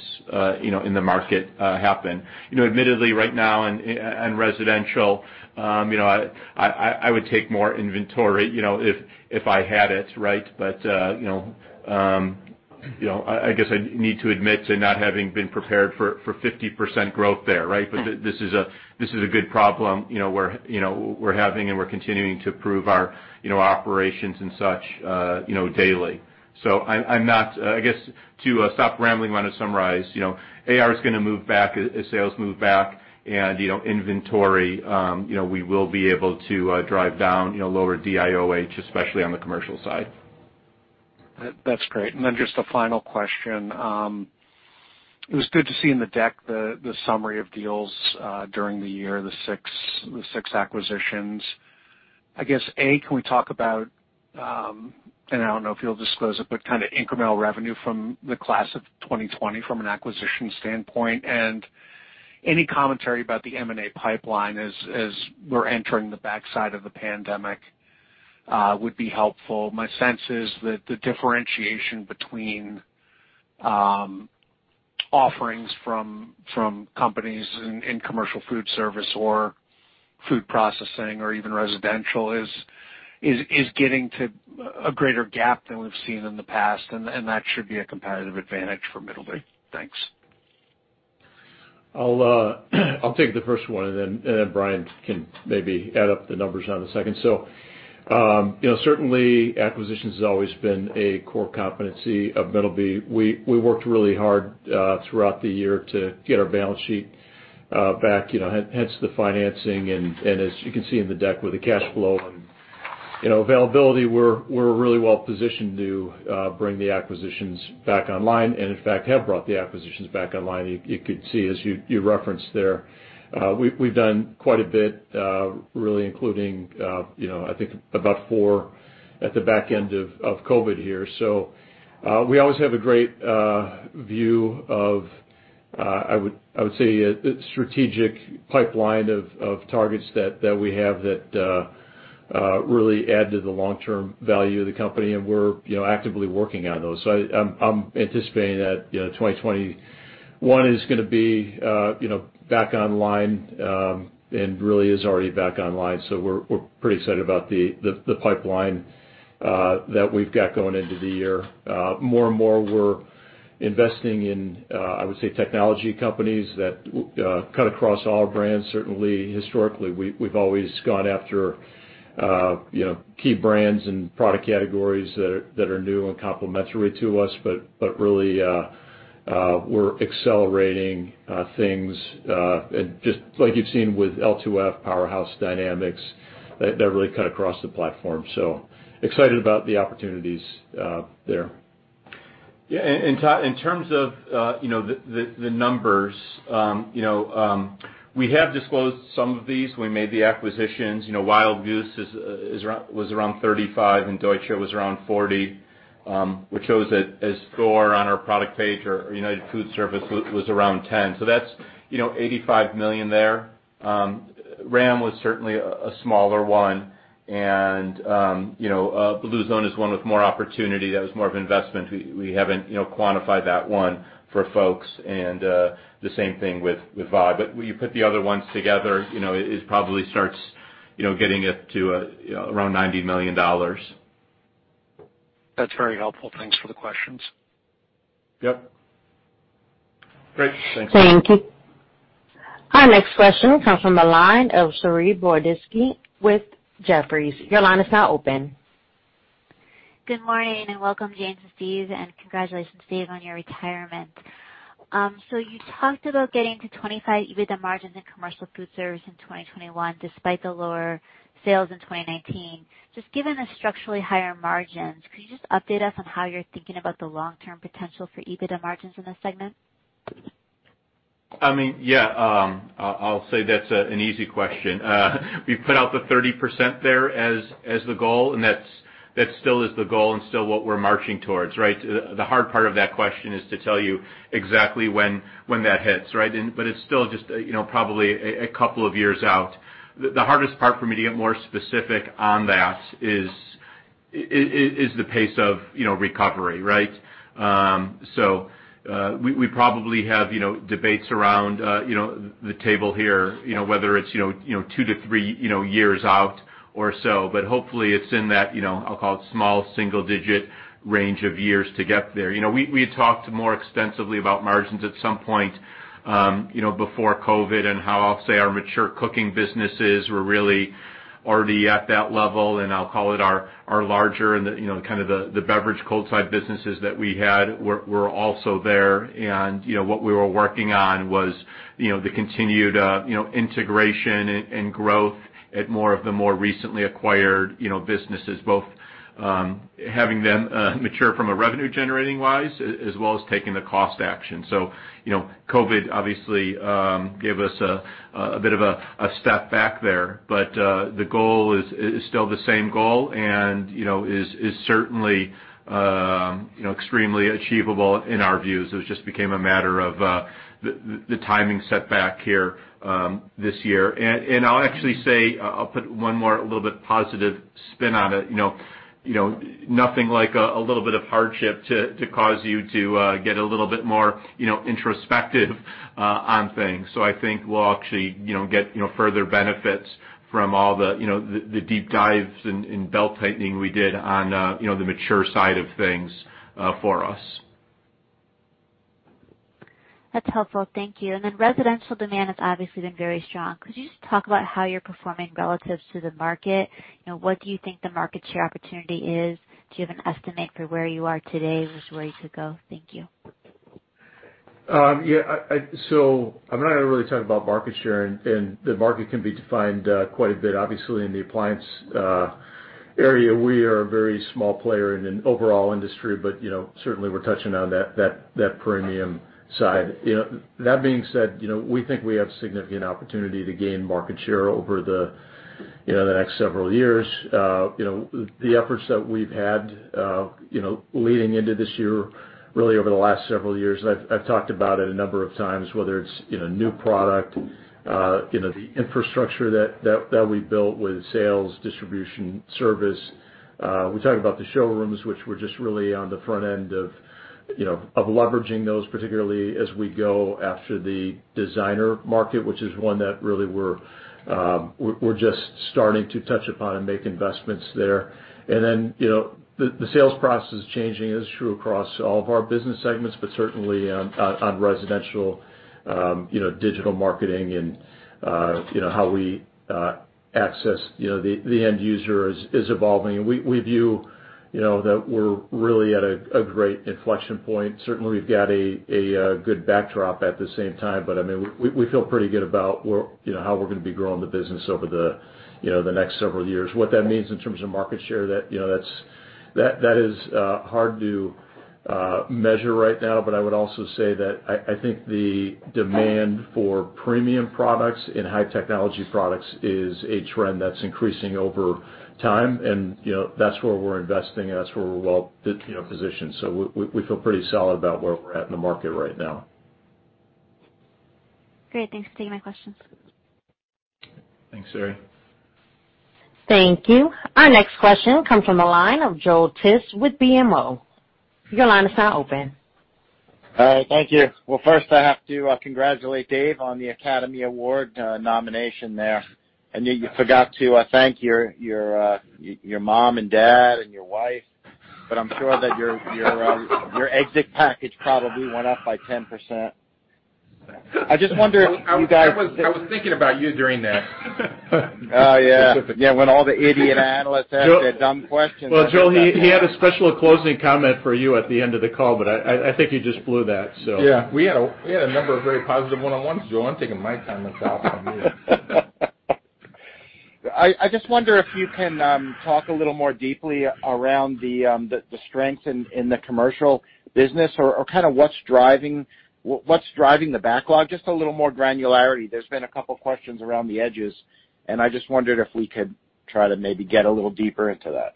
in the market happen. Admittedly, right now in residential I would take more inventory if I had it, right? I guess I need to admit to not having been prepared for 50% growth there, right? This is a good problem we're having, and we're continuing to improve our operations and such daily. I guess, to stop rambling, I want to summarize. AR is going to move back as sales move back and inventory we will be able to drive down lower DIOH, especially on the commercial side. That's great. Just a final question. It was good to see in the deck the summary of deals during the year, the six acquisitions. I guess, A, can we talk about, and I don't know if you'll disclose it, but kind of incremental revenue from the class of 2020 from an acquisition standpoint, and any commentary about the M&A pipeline as we're entering the backside of the pandemic would be helpful. My sense is that the differentiation between offerings from companies in commercial food service or food processing or even residential is getting to a greater gap than we've seen in the past. That should be a competitive advantage for Middleby. Thanks. I'll take the first one, and then Bryan can maybe add up the numbers on the second. Certainly acquisitions has always been a core competency of Middleby. We worked really hard throughout the year to get our balance sheet back, hence the financing and as you can see in the deck with the cash flow and availability, we're really well positioned to bring the acquisitions back online and, in fact, have brought the acquisitions back online. You could see, as you referenced there. We've done quite a bit, really including I think about four at the back end of COVID here. We always have a great view of I would say, a strategic pipeline of targets that we have that really add to the long-term value of the company, and we're actively working on those. I'm anticipating that 2021 is going to be back online, and really is already back online. We're pretty excited about the pipeline that we've got going into the year. More and more, we're investing in, I would say, technology companies that cut across all brands. Certainly, historically, we've always gone after key brands and product categories that are new and complementary to us. Really, we're accelerating things, just like you've seen with L2F, Powerhouse Dynamics, that really cut across the platform. Excited about the opportunities there. Yeah. In terms of the numbers, we have disclosed some of these when we made the acquisitions. Wild Goose was around $35, Deutsche was around $40, which shows that as Thor on our product page or United Foodservice was around $10. That's $85 million there. RAM was certainly a smaller one. Bluezone is one with more opportunity. That was more of an investment. We haven't quantified that one for folks. The same thing with Viking. When you put the other ones together, it probably starts getting it to around $90 million. That's very helpful. Thanks for the questions. Yep. Great. Thanks. Thank you. Our next question comes from the line of Saree Boroditsky with Jefferies. Your line is now open. Good morning, and welcome, James and Steve, and congratulations, Steve, on your retirement. You talked about getting to 25% EBITDA margins in commercial foodservice in 2021, despite the lower sales in 2019. Given the structurally higher margins, could you just update us on how you're thinking about the long-term potential for EBITDA margins in this segment? I mean, yeah, I'll say that's an easy question. We've put out the 30% there as the goal, and that still is the goal and still what we're marching towards, right? The hard part of that question is to tell you exactly when that hits, right? It's still just probably a couple of years out. The hardest part for me to get more specific on that is the pace of recovery, right? We probably have debates around the table here whether it's two to three years out or so. Hopefully it's in that, I'll call it small single-digit range of years to get there. We had talked more extensively about margins at some point before COVID and how I'll say our mature cooking businesses were really already at that level, and I'll call it our larger and the kind of the beverage cold side businesses that we had were also there. What we were working on was the continued integration and growth at more of the more recently acquired businesses, both having them mature from a revenue generating wise as well as taking the cost action. COVID obviously gave us a bit of a step back there, but the goal is still the same goal and is certainly extremely achievable in our views. It just became a matter of the timing setback here this year. I'll actually say, I'll put one more a little bit positive spin on it. Nothing like a little bit of hardship to cause you to get a little bit more introspective on things. I think we'll actually get further benefits from all the deep dives and belt-tightening we did on the mature side of things for us. That's helpful. Thank you. Then residential demand has obviously been very strong. Could you just talk about how you're performing relative to the market? What do you think the market share opportunity is? Do you have an estimate for where you are today and where you could go? Thank you. Yeah. I'm not going to really talk about market share, and the market can be defined quite a bit. Obviously, in the appliance area, we are a very small player in an overall industry, but certainly we're touching on that premium side. That being said, we think we have significant opportunity to gain market share over the next several years. The efforts that we've had leading into this year, really over the last several years, and I've talked about it a number of times, whether it's new product, the infrastructure that we built with sales, distribution, service. We talk about the showrooms, which we're just really on the front end of leveraging those, particularly as we go after the designer market, which is one that really we're just starting to touch upon and make investments there. The sales process is changing is true across all of our business segments, but certainly on residential, digital marketing and how we access the end user is evolving. We view that we're really at a great inflection point. We've got a good backdrop at the same time, I mean, we feel pretty good about how we're going to be growing the business over the next several years. What that means in terms of market share, that is hard to measure right now. I would also say that I think the demand for premium products and high technology products is a trend that's increasing over time, and that's where we're investing, and that's where we're well-positioned. We feel pretty solid about where we're at in the market right now. Great. Thanks for taking my questions. Thanks, Saree. Thank you. Our next question comes from the line of Joel Tiss with BMO Capital Markets. Your line is now open. Thank you. Well, first I have to congratulate Dave on the Academy Award nomination there. I know you forgot to thank your mom and dad and your wife, but I'm sure that your exit package probably went up by 10%. I just wonder if you guys. I was thinking about you during that. Oh, yeah. When all the idiot analysts ask their dumb questions. Well, Joel, he had a special closing comment for you at the end of the call, but I think you just blew that. Yeah, we had a number of very positive one-on-ones, Joel. I'm taking my comments off on you. I just wonder if you can talk a little more deeply around the strength in the commercial business or kind of what's driving the backlog. Just a little more granularity. There's been a couple questions around the edges, and I just wondered if we could try to maybe get a little deeper into that.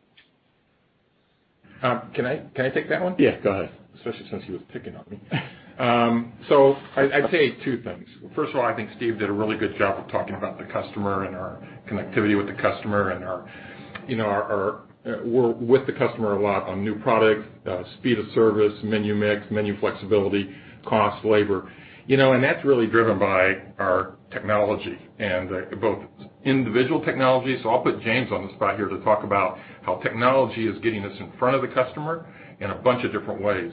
Can I take that one? Yeah, go ahead. Especially since he was picking on me. I'd say two things. First of all, I think Steve did a really good job of talking about the customer and our connectivity with the customer and we're with the customer a lot on new product, speed of service, menu mix, menu flexibility, cost, labor. That's really driven by our technology and both individual technology. I'll put James on the spot here to talk about how technology is getting us in front of the customer in a bunch of different ways,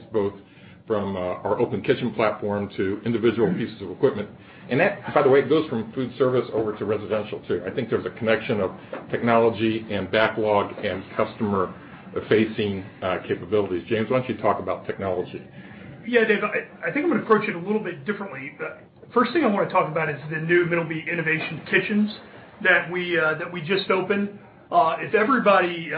both from our Open Kitchen platform to individual pieces of equipment. That, by the way, goes from foodservice over to residential too. I think there's a connection of technology and backlog and customer-facing capabilities. James, why don't you talk about technology? Yeah, Dave. I think I'm gonna approach it a little bit differently. First thing I wanna talk about is the new Middleby Innovation Kitchens that we just opened. If everybody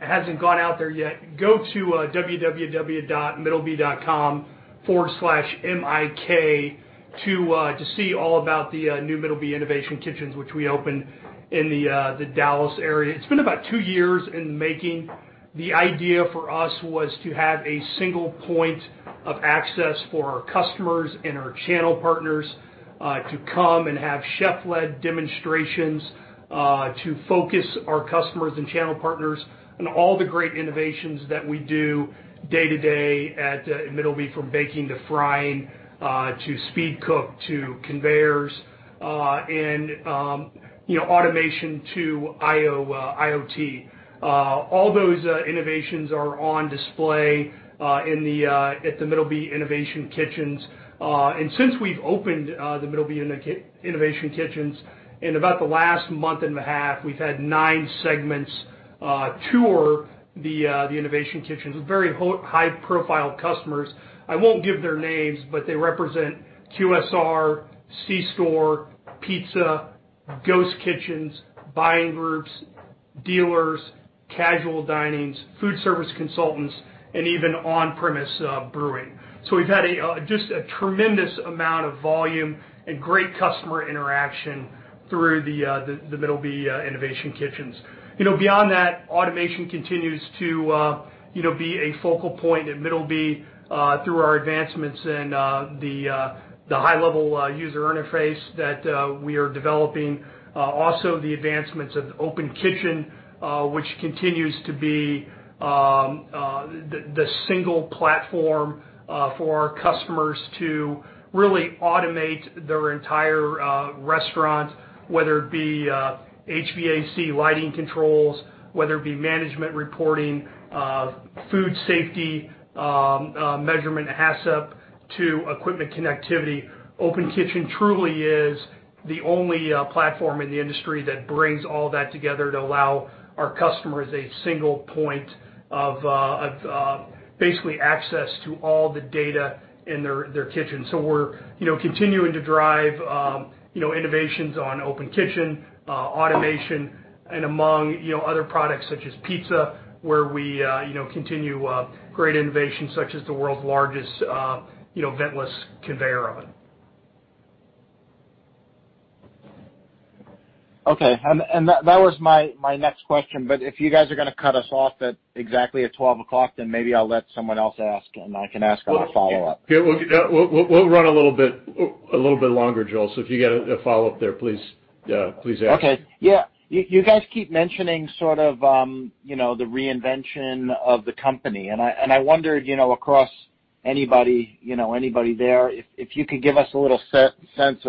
hasn't gone out there yet, go to www.middleby.com/mik to see all about the new Middleby Innovation Kitchens, which we opened in the Dallas area. It's been about two years in the making. The idea for us was to have a single point of access for our customers and our channel partners, to come and have chef-led demonstrations, to focus our customers and channel partners on all the great innovations that we do day to day at Middleby, from baking to frying, to speed cook, to conveyors, and automation to IoT. All those innovations are on display at the Middleby Innovation Kitchens. Since we've opened the Middleby Innovation Kitchens, in about the last 1.5 months, We've had nine segments tour the Middleby Innovation Kitchens, very high-profile customers. I won't give their names, but they represent QSR, C-store, pizza, ghost kitchens, buying groups, dealers, casual dinings, food service consultants, and even on-premise brewing. We've had just a tremendous amount of volume and great customer interaction through the Middleby Innovation Kitchens. Beyond that, automation continues to be a focal point at Middleby, through our advancements in the high-level user interface that we are developing. Also, the advancements of Open Kitchen, which continues to be the single platform for our customers to really automate their entire restaurant, whether it be HVAC lighting controls, whether it be management reporting, food safety, measurement, HACCP, to equipment connectivity. Open Kitchen truly is the only platform in the industry that brings all that together to allow our customers a single point of basically access to all the data in their kitchen. We're continuing to drive innovations on Open Kitchen, automation, and among other products such as pizza, where we continue great innovations such as the world's largest ventless conveyor oven. Okay. That was my next question, but if you guys are gonna cut us off at exactly at 12:00 P.M., then maybe I'll let someone else ask, and I can ask on a follow-up. Yeah. We'll run a little bit longer, Joel. If you got a follow-up there, please ask. Okay. Yeah. You guys keep mentioning sort of the reinvention of the company, and I wondered, across anybody there, if you could give us a little sense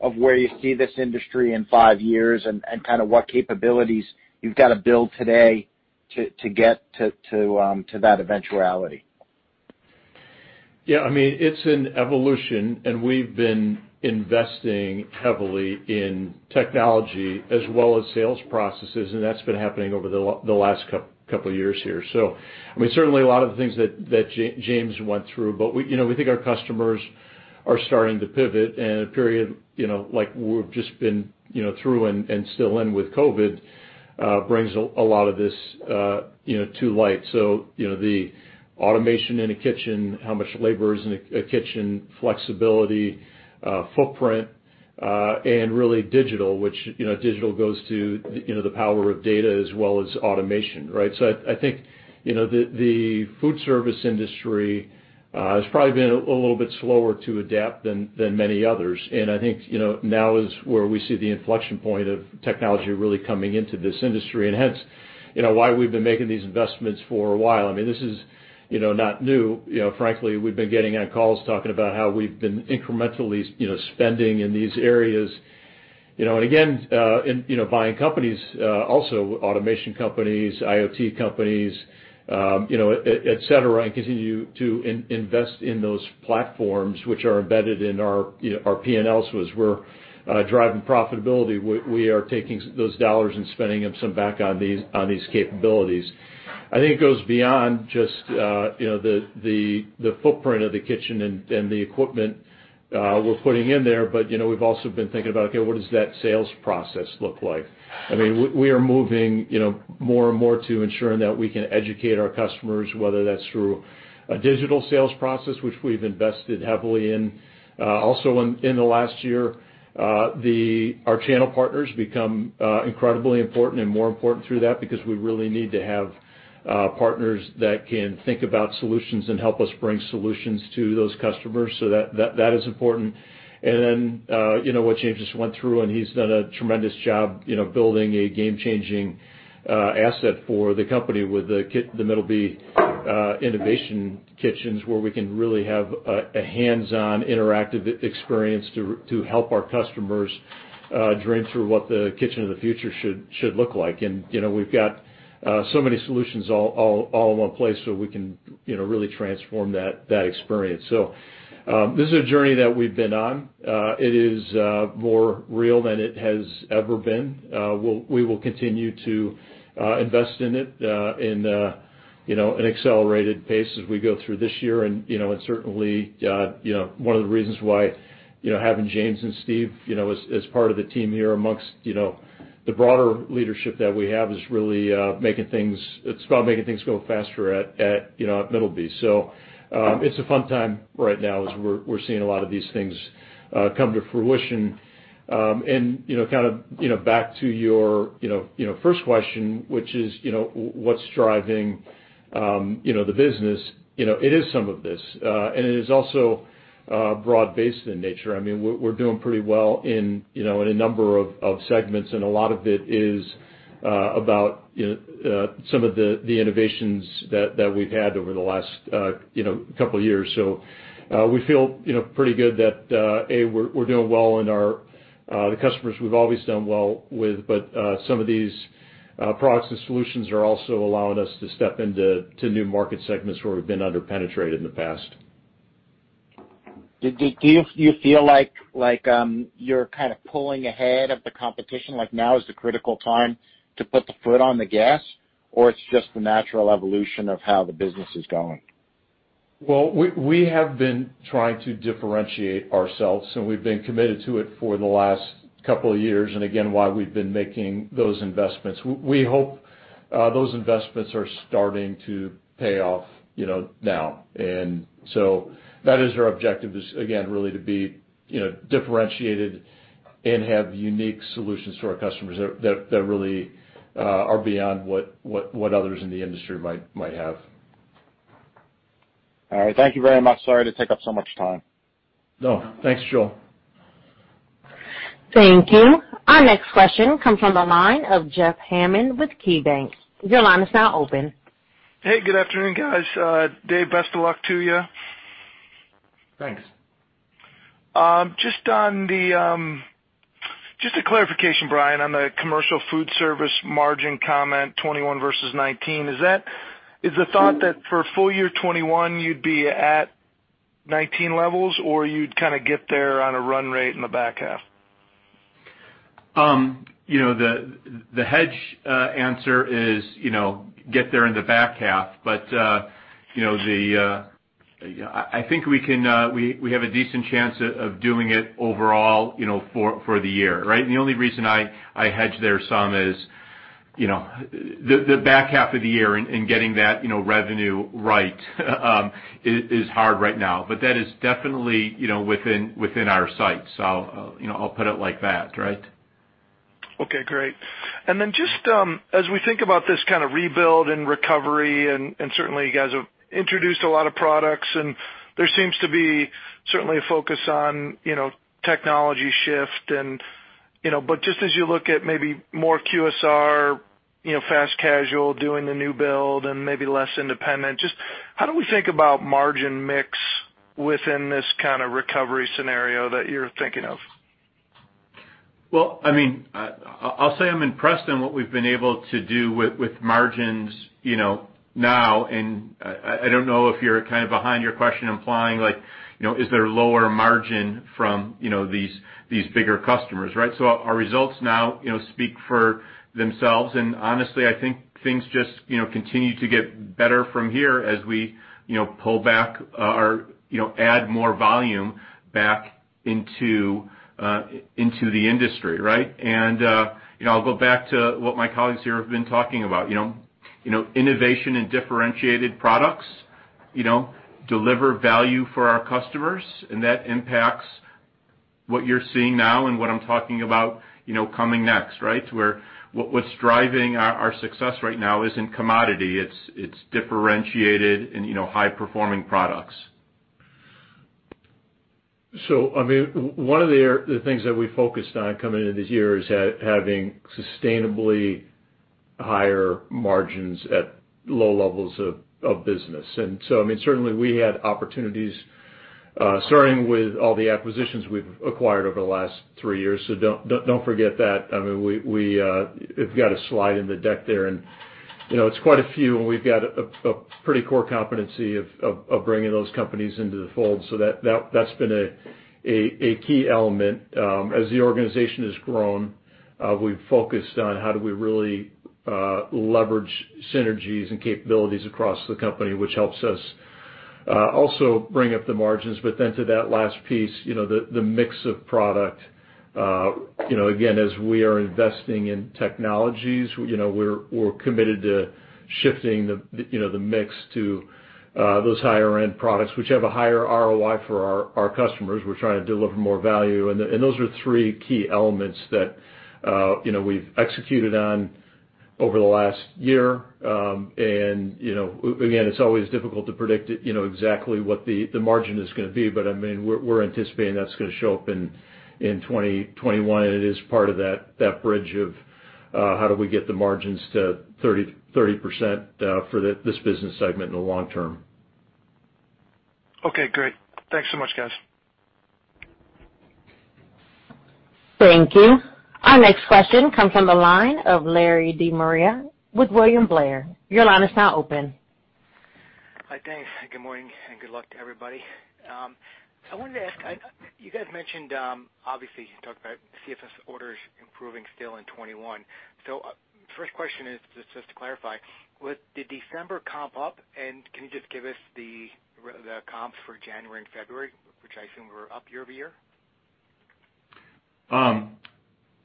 of where you see this industry in five years and kind of what capabilities you've got to build today to get to that eventuality. It's an evolution, we've been investing heavily in technology as well as sales processes, and that's been happening over the last couple of years here. Certainly a lot of the things that James went through. We think our customers are starting to pivot, and a period like we've just been through and still in with COVID, brings a lot of this to light. The automation in a kitchen, how much labor is in a kitchen, flexibility, footprint, and really digital. Digital goes to the power of data as well as automation, right? I think the foodservice industry has probably been a little bit slower to adapt than many others, and I think now is where we see the inflection point of technology really coming into this industry, and hence, why we've been making these investments for a while. This is not new. Frankly, we've been getting on calls talking about how we've been incrementally spending in these areas. Again, buying companies, also automation companies, IoT companies, et cetera, and continue to invest in those platforms which are embedded in our P&Ls. As we're driving profitability, we are taking those dollars and spending some back on these capabilities. I think it goes beyond just the footprint of the kitchen and the equipment we're putting in there. We've also been thinking about, okay, what does that sales process look like? We are moving more and more to ensuring that we can educate our customers, whether that's through a digital sales process, which we've invested heavily in. Also in the last year, our channel partners become incredibly important and more important through that because we really need to have partners that can think about solutions and help us bring solutions to those customers. That is important. Then what James just went through, and he's done a tremendous job building a game-changing asset for the company with the Middleby Innovation Kitchens, where we can really have a hands-on interactive experience to help our customers dream through what the kitchen of the future should look like. We've got so many solutions all in one place so we can really transform that experience. This is a journey that we've been on. It is more real than it has ever been. We will continue to invest in it in an accelerated pace as we go through this year. Certainly, one of the reasons why having James and Steve as part of the team here amongst the broader leadership that we have it's about making things go faster at Middleby. It's a fun time right now as we're seeing a lot of these things come to fruition. Back to your first question, which is what's driving the business, it is some of this. It is also broad-based in nature. We're doing pretty well in a number of segments, and a lot of it is about some of the innovations that we've had over the last couple of years. We feel pretty good that, A, we're doing well in the customers we've always done well with. Some of these products and solutions are also allowing us to step into new market segments where we've been under-penetrated in the past. Do you feel like you're kind of pulling ahead of the competition, like now is the critical time to put the foot on the gas, or it's just the natural evolution of how the business is going? Well, we have been trying to differentiate ourselves, and we've been committed to it for the last couple of years, and again, why we've been making those investments. We hope those investments are starting to pay off now. That is our objective is, again, really to be differentiated and have unique solutions to our customers that really are beyond what others in the industry might have. All right. Thank you very much. Sorry to take up so much time. No, thanks, Joel. Thank you. Our next question comes from the line of Jeff Hammond with KeyBanc Capital Markets. Your line is now open. Hey, good afternoon, guys. Dave, best of luck to you. Thanks. Just a clarification, Bryan, on the commercial foodservice margin comment 2021 versus 2019. Is the thought that for full year 2021, you'd be at 2019 levels, or you'd kind of get there on a run rate in the back half? The hedge answer is get there in the back half. I think we have a decent chance of doing it overall for the year, right? The only reason I hedge there some is the back half of the year and getting that revenue right is hard right now. That is definitely within our sight. I'll put it like that, right? Okay, great. Just as we think about this kind of rebuild and recovery, and certainly, you guys have introduced a lot of products, and there seems to be certainly a focus on technology shift. Just as you look at maybe more QSR, fast casual, doing the new build, and maybe less independent, just how do we think about margin mix within this kind of recovery scenario that you're thinking of? Well, I'll say I'm impressed on what we've been able to do with margins now, and I don't know if you're kind of behind your question implying, like is there lower margin from these bigger customers, right? Our results now speak for themselves, and honestly, I think things just continue to get better from here as we pull back or add more volume back into the industry, right? I'll go back to what my colleagues here have been talking about. Innovation and differentiated products deliver value for our customers, and that impacts what you're seeing now and what I'm talking about coming next, right? To where what's driving our success right now isn't commodity. It's differentiated and high-performing products. One of the things that we focused on coming into this year is having sustainably higher margins at low levels of business. Certainly, we had opportunities, starting with all the acquisitions we've acquired over the last three years. Don't forget that. We've got a slide in the deck there, and it's quite a few, and we've got a pretty core competency of bringing those companies into the fold. That's been a key element. As the organization has grown, we've focused on how do we really leverage synergies and capabilities across the company, which helps us also bring up the margins, but then to that last piece, the mix of product. Again, as we are investing in technologies, we're committed to shifting the mix to those higher-end products, which have a higher ROI for our customers. We're trying to deliver more value. Those are three key elements that we've executed on over the last year. Again, it's always difficult to predict exactly what the margin is going to be, but we're anticipating that's going to show up in 2021, and it is part of that bridge of how do we get the margins to 30% for this business segment in the long term. Okay, great. Thanks so much, guys. Thank you. Our next question comes from the line of Lawrence Tighe De Maria with William Blair. Hi, thanks, good morning, and good luck to everybody. I wanted to ask, you guys mentioned, obviously, you talked about CFS orders improving still in 2021. First question is just to clarify, did December comp up? Can you just give us the comps for January and February, which I assume were up year-over-year?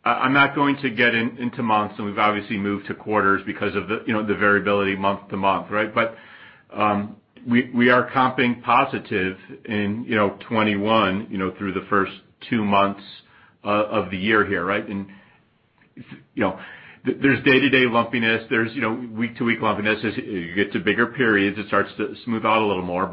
I'm not going to get into months, and we've obviously moved to quarters because of the variability month to month, right? We are comping positive in 2021 through the first two months of the year here, right? There's day-to-day lumpiness, there's week-to-week lumpiness. As you get to bigger periods, it starts to smooth out a little more.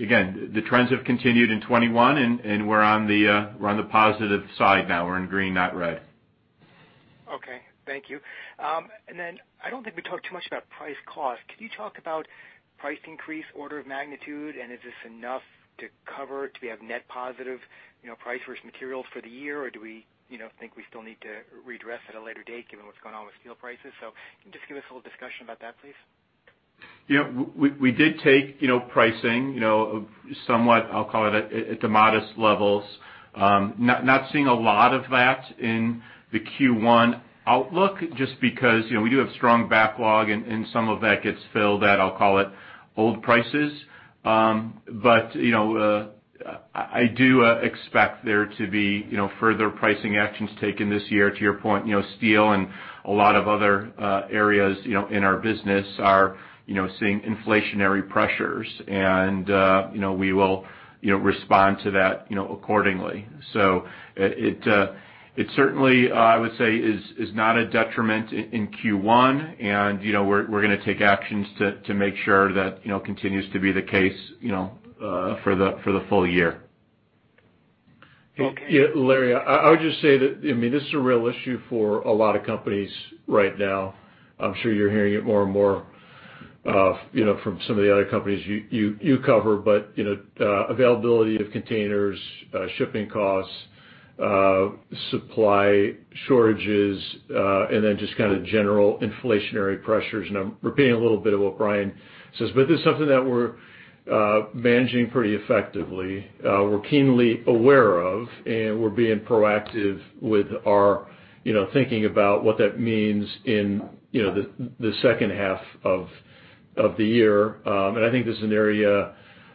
Again, the trends have continued in 2021, and we're on the positive side now. We're in green, not red. Okay, thank you. I don't think we talked too much about price cost. Can you talk about price increase, order of magnitude, and is this enough to cover to be of net positive price versus materials for the year, or do we think we still need to readdress at a later date given what's going on with steel prices? Can you just give us a little discussion about that, please? Yeah. We did take pricing, somewhat, I'll call it at the modest levels. Not seeing a lot of that in the Q1 outlook, just because we do have strong backlog, and some of that gets filled at, I'll call it, old prices. I do expect there to be further pricing actions taken this year. To your point, steel and a lot of other areas in our business are seeing inflationary pressures, and we will respond to that accordingly. It certainly, I would say, is not a detriment in Q1, and we're going to take actions to make sure that continues to be the case for the full year. Okay. Yeah, Larry, I would just say that this is a real issue for a lot of companies right now. I'm sure you're hearing it more and more from some of the other companies you cover. Availability of containers, shipping costs, supply shortages, and then just kind of general inflationary pressures, and I'm repeating a little bit of what Bryan says, but this is something that we're managing pretty effectively. We're keenly aware of, and we're being proactive with our thinking about what that means in the second half of the year. I think this is an area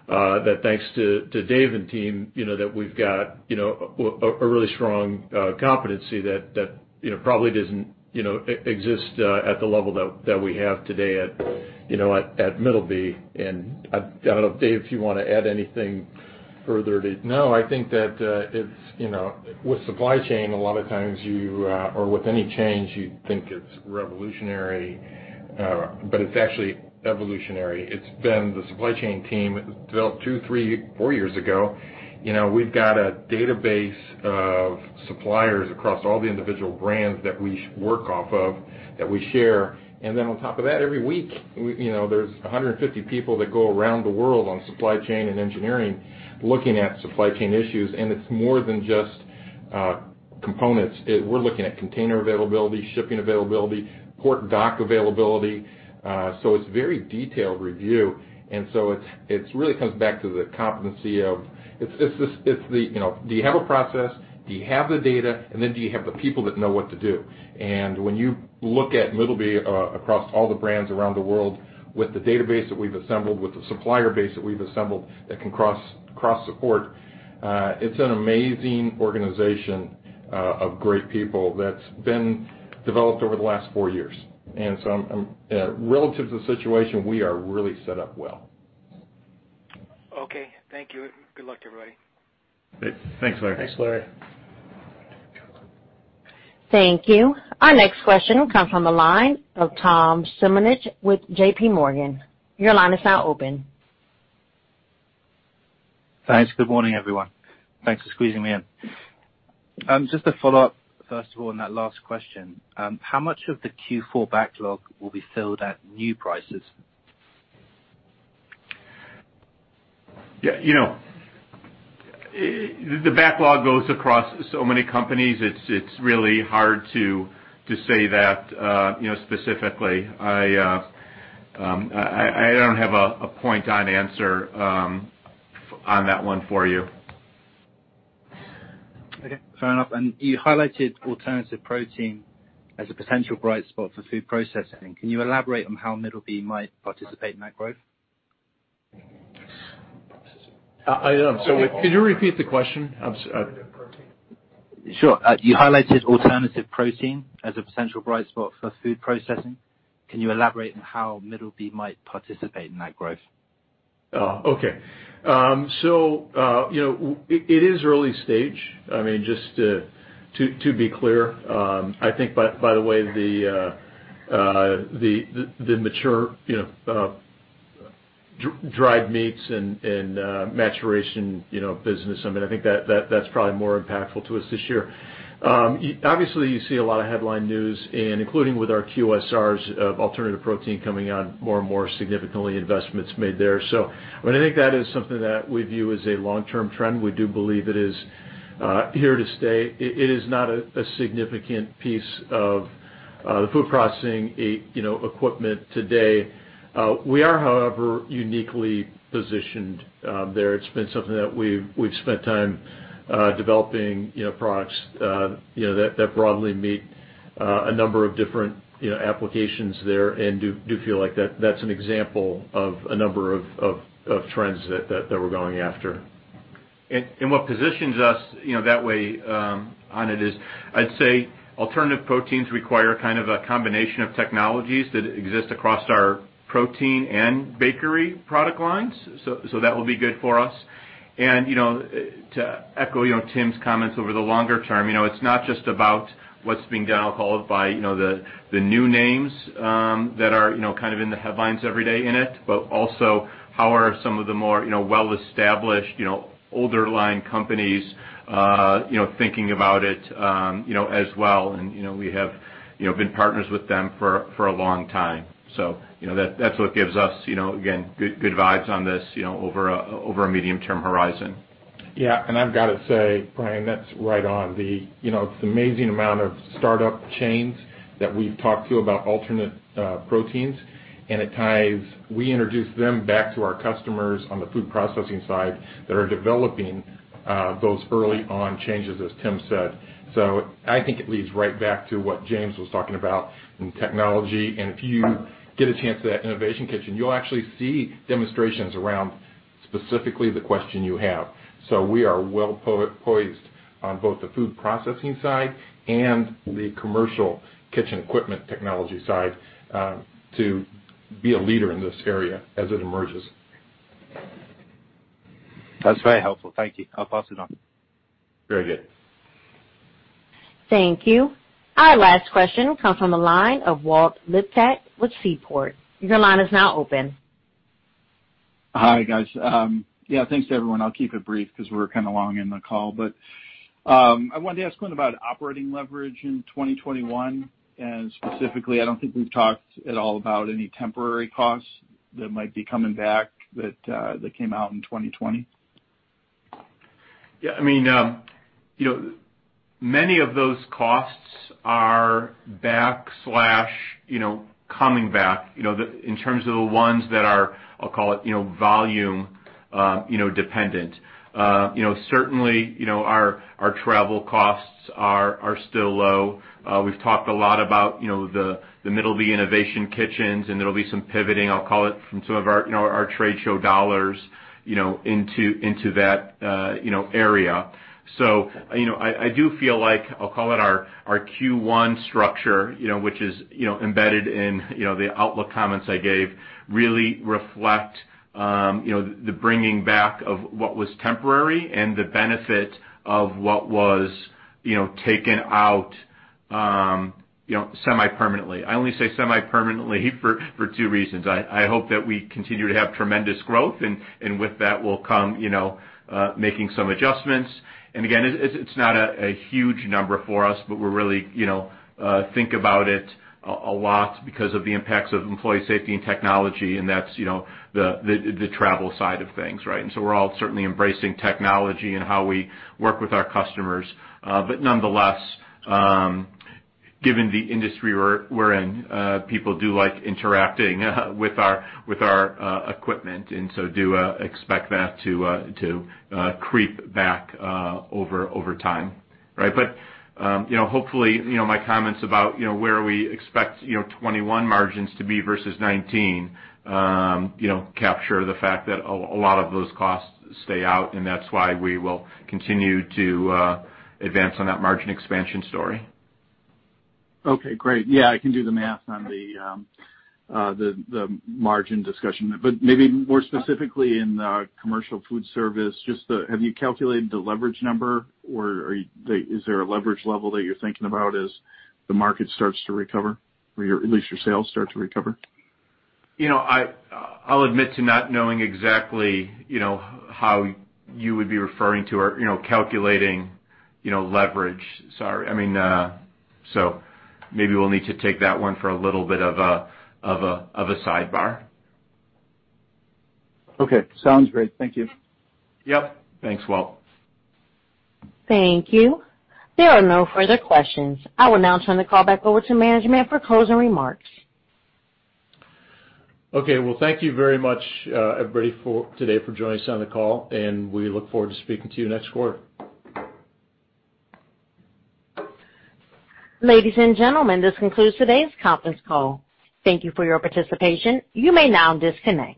that, thanks to David and team, that we've got a really strong competency that probably didn't exist at the level that we have today at Middleby. I don't know, David, if you want to add anything further to I think that with supply chain, a lot of times or with any change, you think it's revolutionary, but it's actually evolutionary. It's been the supply chain team developed two, three, four years ago. We've got a database of suppliers across all the individual brands that we work off of, that we share. On top of that, every week, there's 150 people that go around the world on supply chain and engineering looking at supply chain issues, and it's more than just components. We're looking at container availability, shipping availability, port and dock availability. It's very detailed review. It really comes back to the competency of, do you have a process? Do you have the data? Do you have the people that know what to do? When you look at Middleby across all the brands around the world with the database that we've assembled, with the supplier base that we've assembled that can cross-support, it's an amazing organization of great people that's been developed over the last four years. Relative to the situation, we are really set up well. Okay. Thank you. Good luck, everybody. Thanks, Larry. Thanks, Larry. Thank you. Our next question comes from the line of Tami Zakaria with JPMorgan. Your line is now open. Thanks. Good morning, everyone. Thanks for squeezing me in. Just a follow-up, first of all, on that last question. How much of the Q4 backlog will be filled at new prices? The backlog goes across so many companies. It's really hard to say that specifically. I don't have a point on answer on that one for you. Okay, fair enough. You highlighted alternative protein as a potential bright spot for food processing. Can you elaborate on how Middleby might participate in that growth? I am. Sorry, could you repeat the question? Alternative protein. Sure. You highlighted alternative protein as a potential bright spot for food processing. Can you elaborate on how Middleby might participate in that growth? Okay. It is early stage. Just to be clear, I think by the way, the mature dried meats and maturation business, I think that's probably more impactful to us this year. Obviously, you see a lot of headline news, and including with our QSRs of alternative protein coming on more and more significantly, investments made there. I think that is something that we view as a long-term trend. We do believe it is here to stay. It is not a significant piece of the food processing equipment today. We are, however, uniquely positioned there. It's been something that we've spent time developing products that broadly meet a number of different applications there and do feel like that's an example of a number of trends that we're going after. What positions us that way on it is, I'd say alternative proteins require kind of a combination of technologies that exist across our protein and bakery product lines. That will be good for us. To echo Tim's comments, over the longer term, it's not just about what's being done, called by the new names that are kind of in the headlines every day in it, but also how are some of the more well-established, older line companies thinking about it as well. We have been partners with them for a long time. That's what gives us, again, good vibes on this over a medium-term horizon. Yeah. I've got to say, Bryan, that's right on. The amazing amount of startup chains that we've talked to about alternate proteins, and at times, we introduce them back to our customers on the food processing side that are developing those early on changes, as Tim said. I think it leads right back to what James was talking about in technology. If you get a chance at that Middleby Innovation Kitchens, you'll actually see demonstrations around specifically the question you have. We are well poised on both the food processing side and the commercial kitchen equipment technology side to be a leader in this area as it emerges. That's very helpful. Thank you. I'll pass it on. Very good. Thank you. Our last question comes from the line of Walt Liptak with Seaport. Your line is now open. Hi, guys. Yeah, thanks to everyone. I'll keep it brief because we're kind of long in the call. I wanted to ask one about operating leverage in 2021, and specifically, I don't think we've talked at all about any temporary costs that might be coming back that came out in 2020. Yeah. Many of those costs are backslash coming back in terms of the ones that are, I'll call it, volume dependent. Certainly, our travel costs are still low. We've talked a lot about the Middleby Innovation Kitchens, and there'll be some pivoting, I'll call it, from some of our trade show dollars into that area. I do feel like, I'll call it our Q1 structure, which is embedded in the outlook comments I gave, really reflect the bringing back of what was temporary and the benefit of what was taken out semi-permanently. I only say semi-permanently for two reasons. I hope that we continue to have tremendous growth, and with that will come making some adjustments. Again, it's not a huge number for us, but we really think about it a lot because of the impacts of employee safety and technology, and that's the travel side of things. We're all certainly embracing technology and how we work with our customers. Nonetheless, given the industry we're in, people do like interacting with our equipment, and so do expect that to creep back over time. Hopefully, my comments about where we expect 2021 margins to be versus 2019 capture the fact that a lot of those costs stay out, and that's why we will continue to advance on that margin expansion story. Okay, great. Yeah, I can do the math on the margin discussion. Maybe more specifically in commercial food service, just have you calculated the leverage number, or is there a leverage level that you're thinking about as the market starts to recover or at least your sales start to recover? I'll admit to not knowing exactly how you would be referring to or calculating leverage. Sorry. Maybe we'll need to take that one for a little bit of a sidebar. Okay, sounds great. Thank you. Yep. Thanks, Walt. Thank you. There are no further questions. I will now turn the call back over to management for closing remarks. Okay. Well, thank you very much, everybody, today for joining us on the call, and we look forward to speaking to you next quarter. Ladies and gentlemen, this concludes today's conference call. Thank you for your participation. You may now disconnect.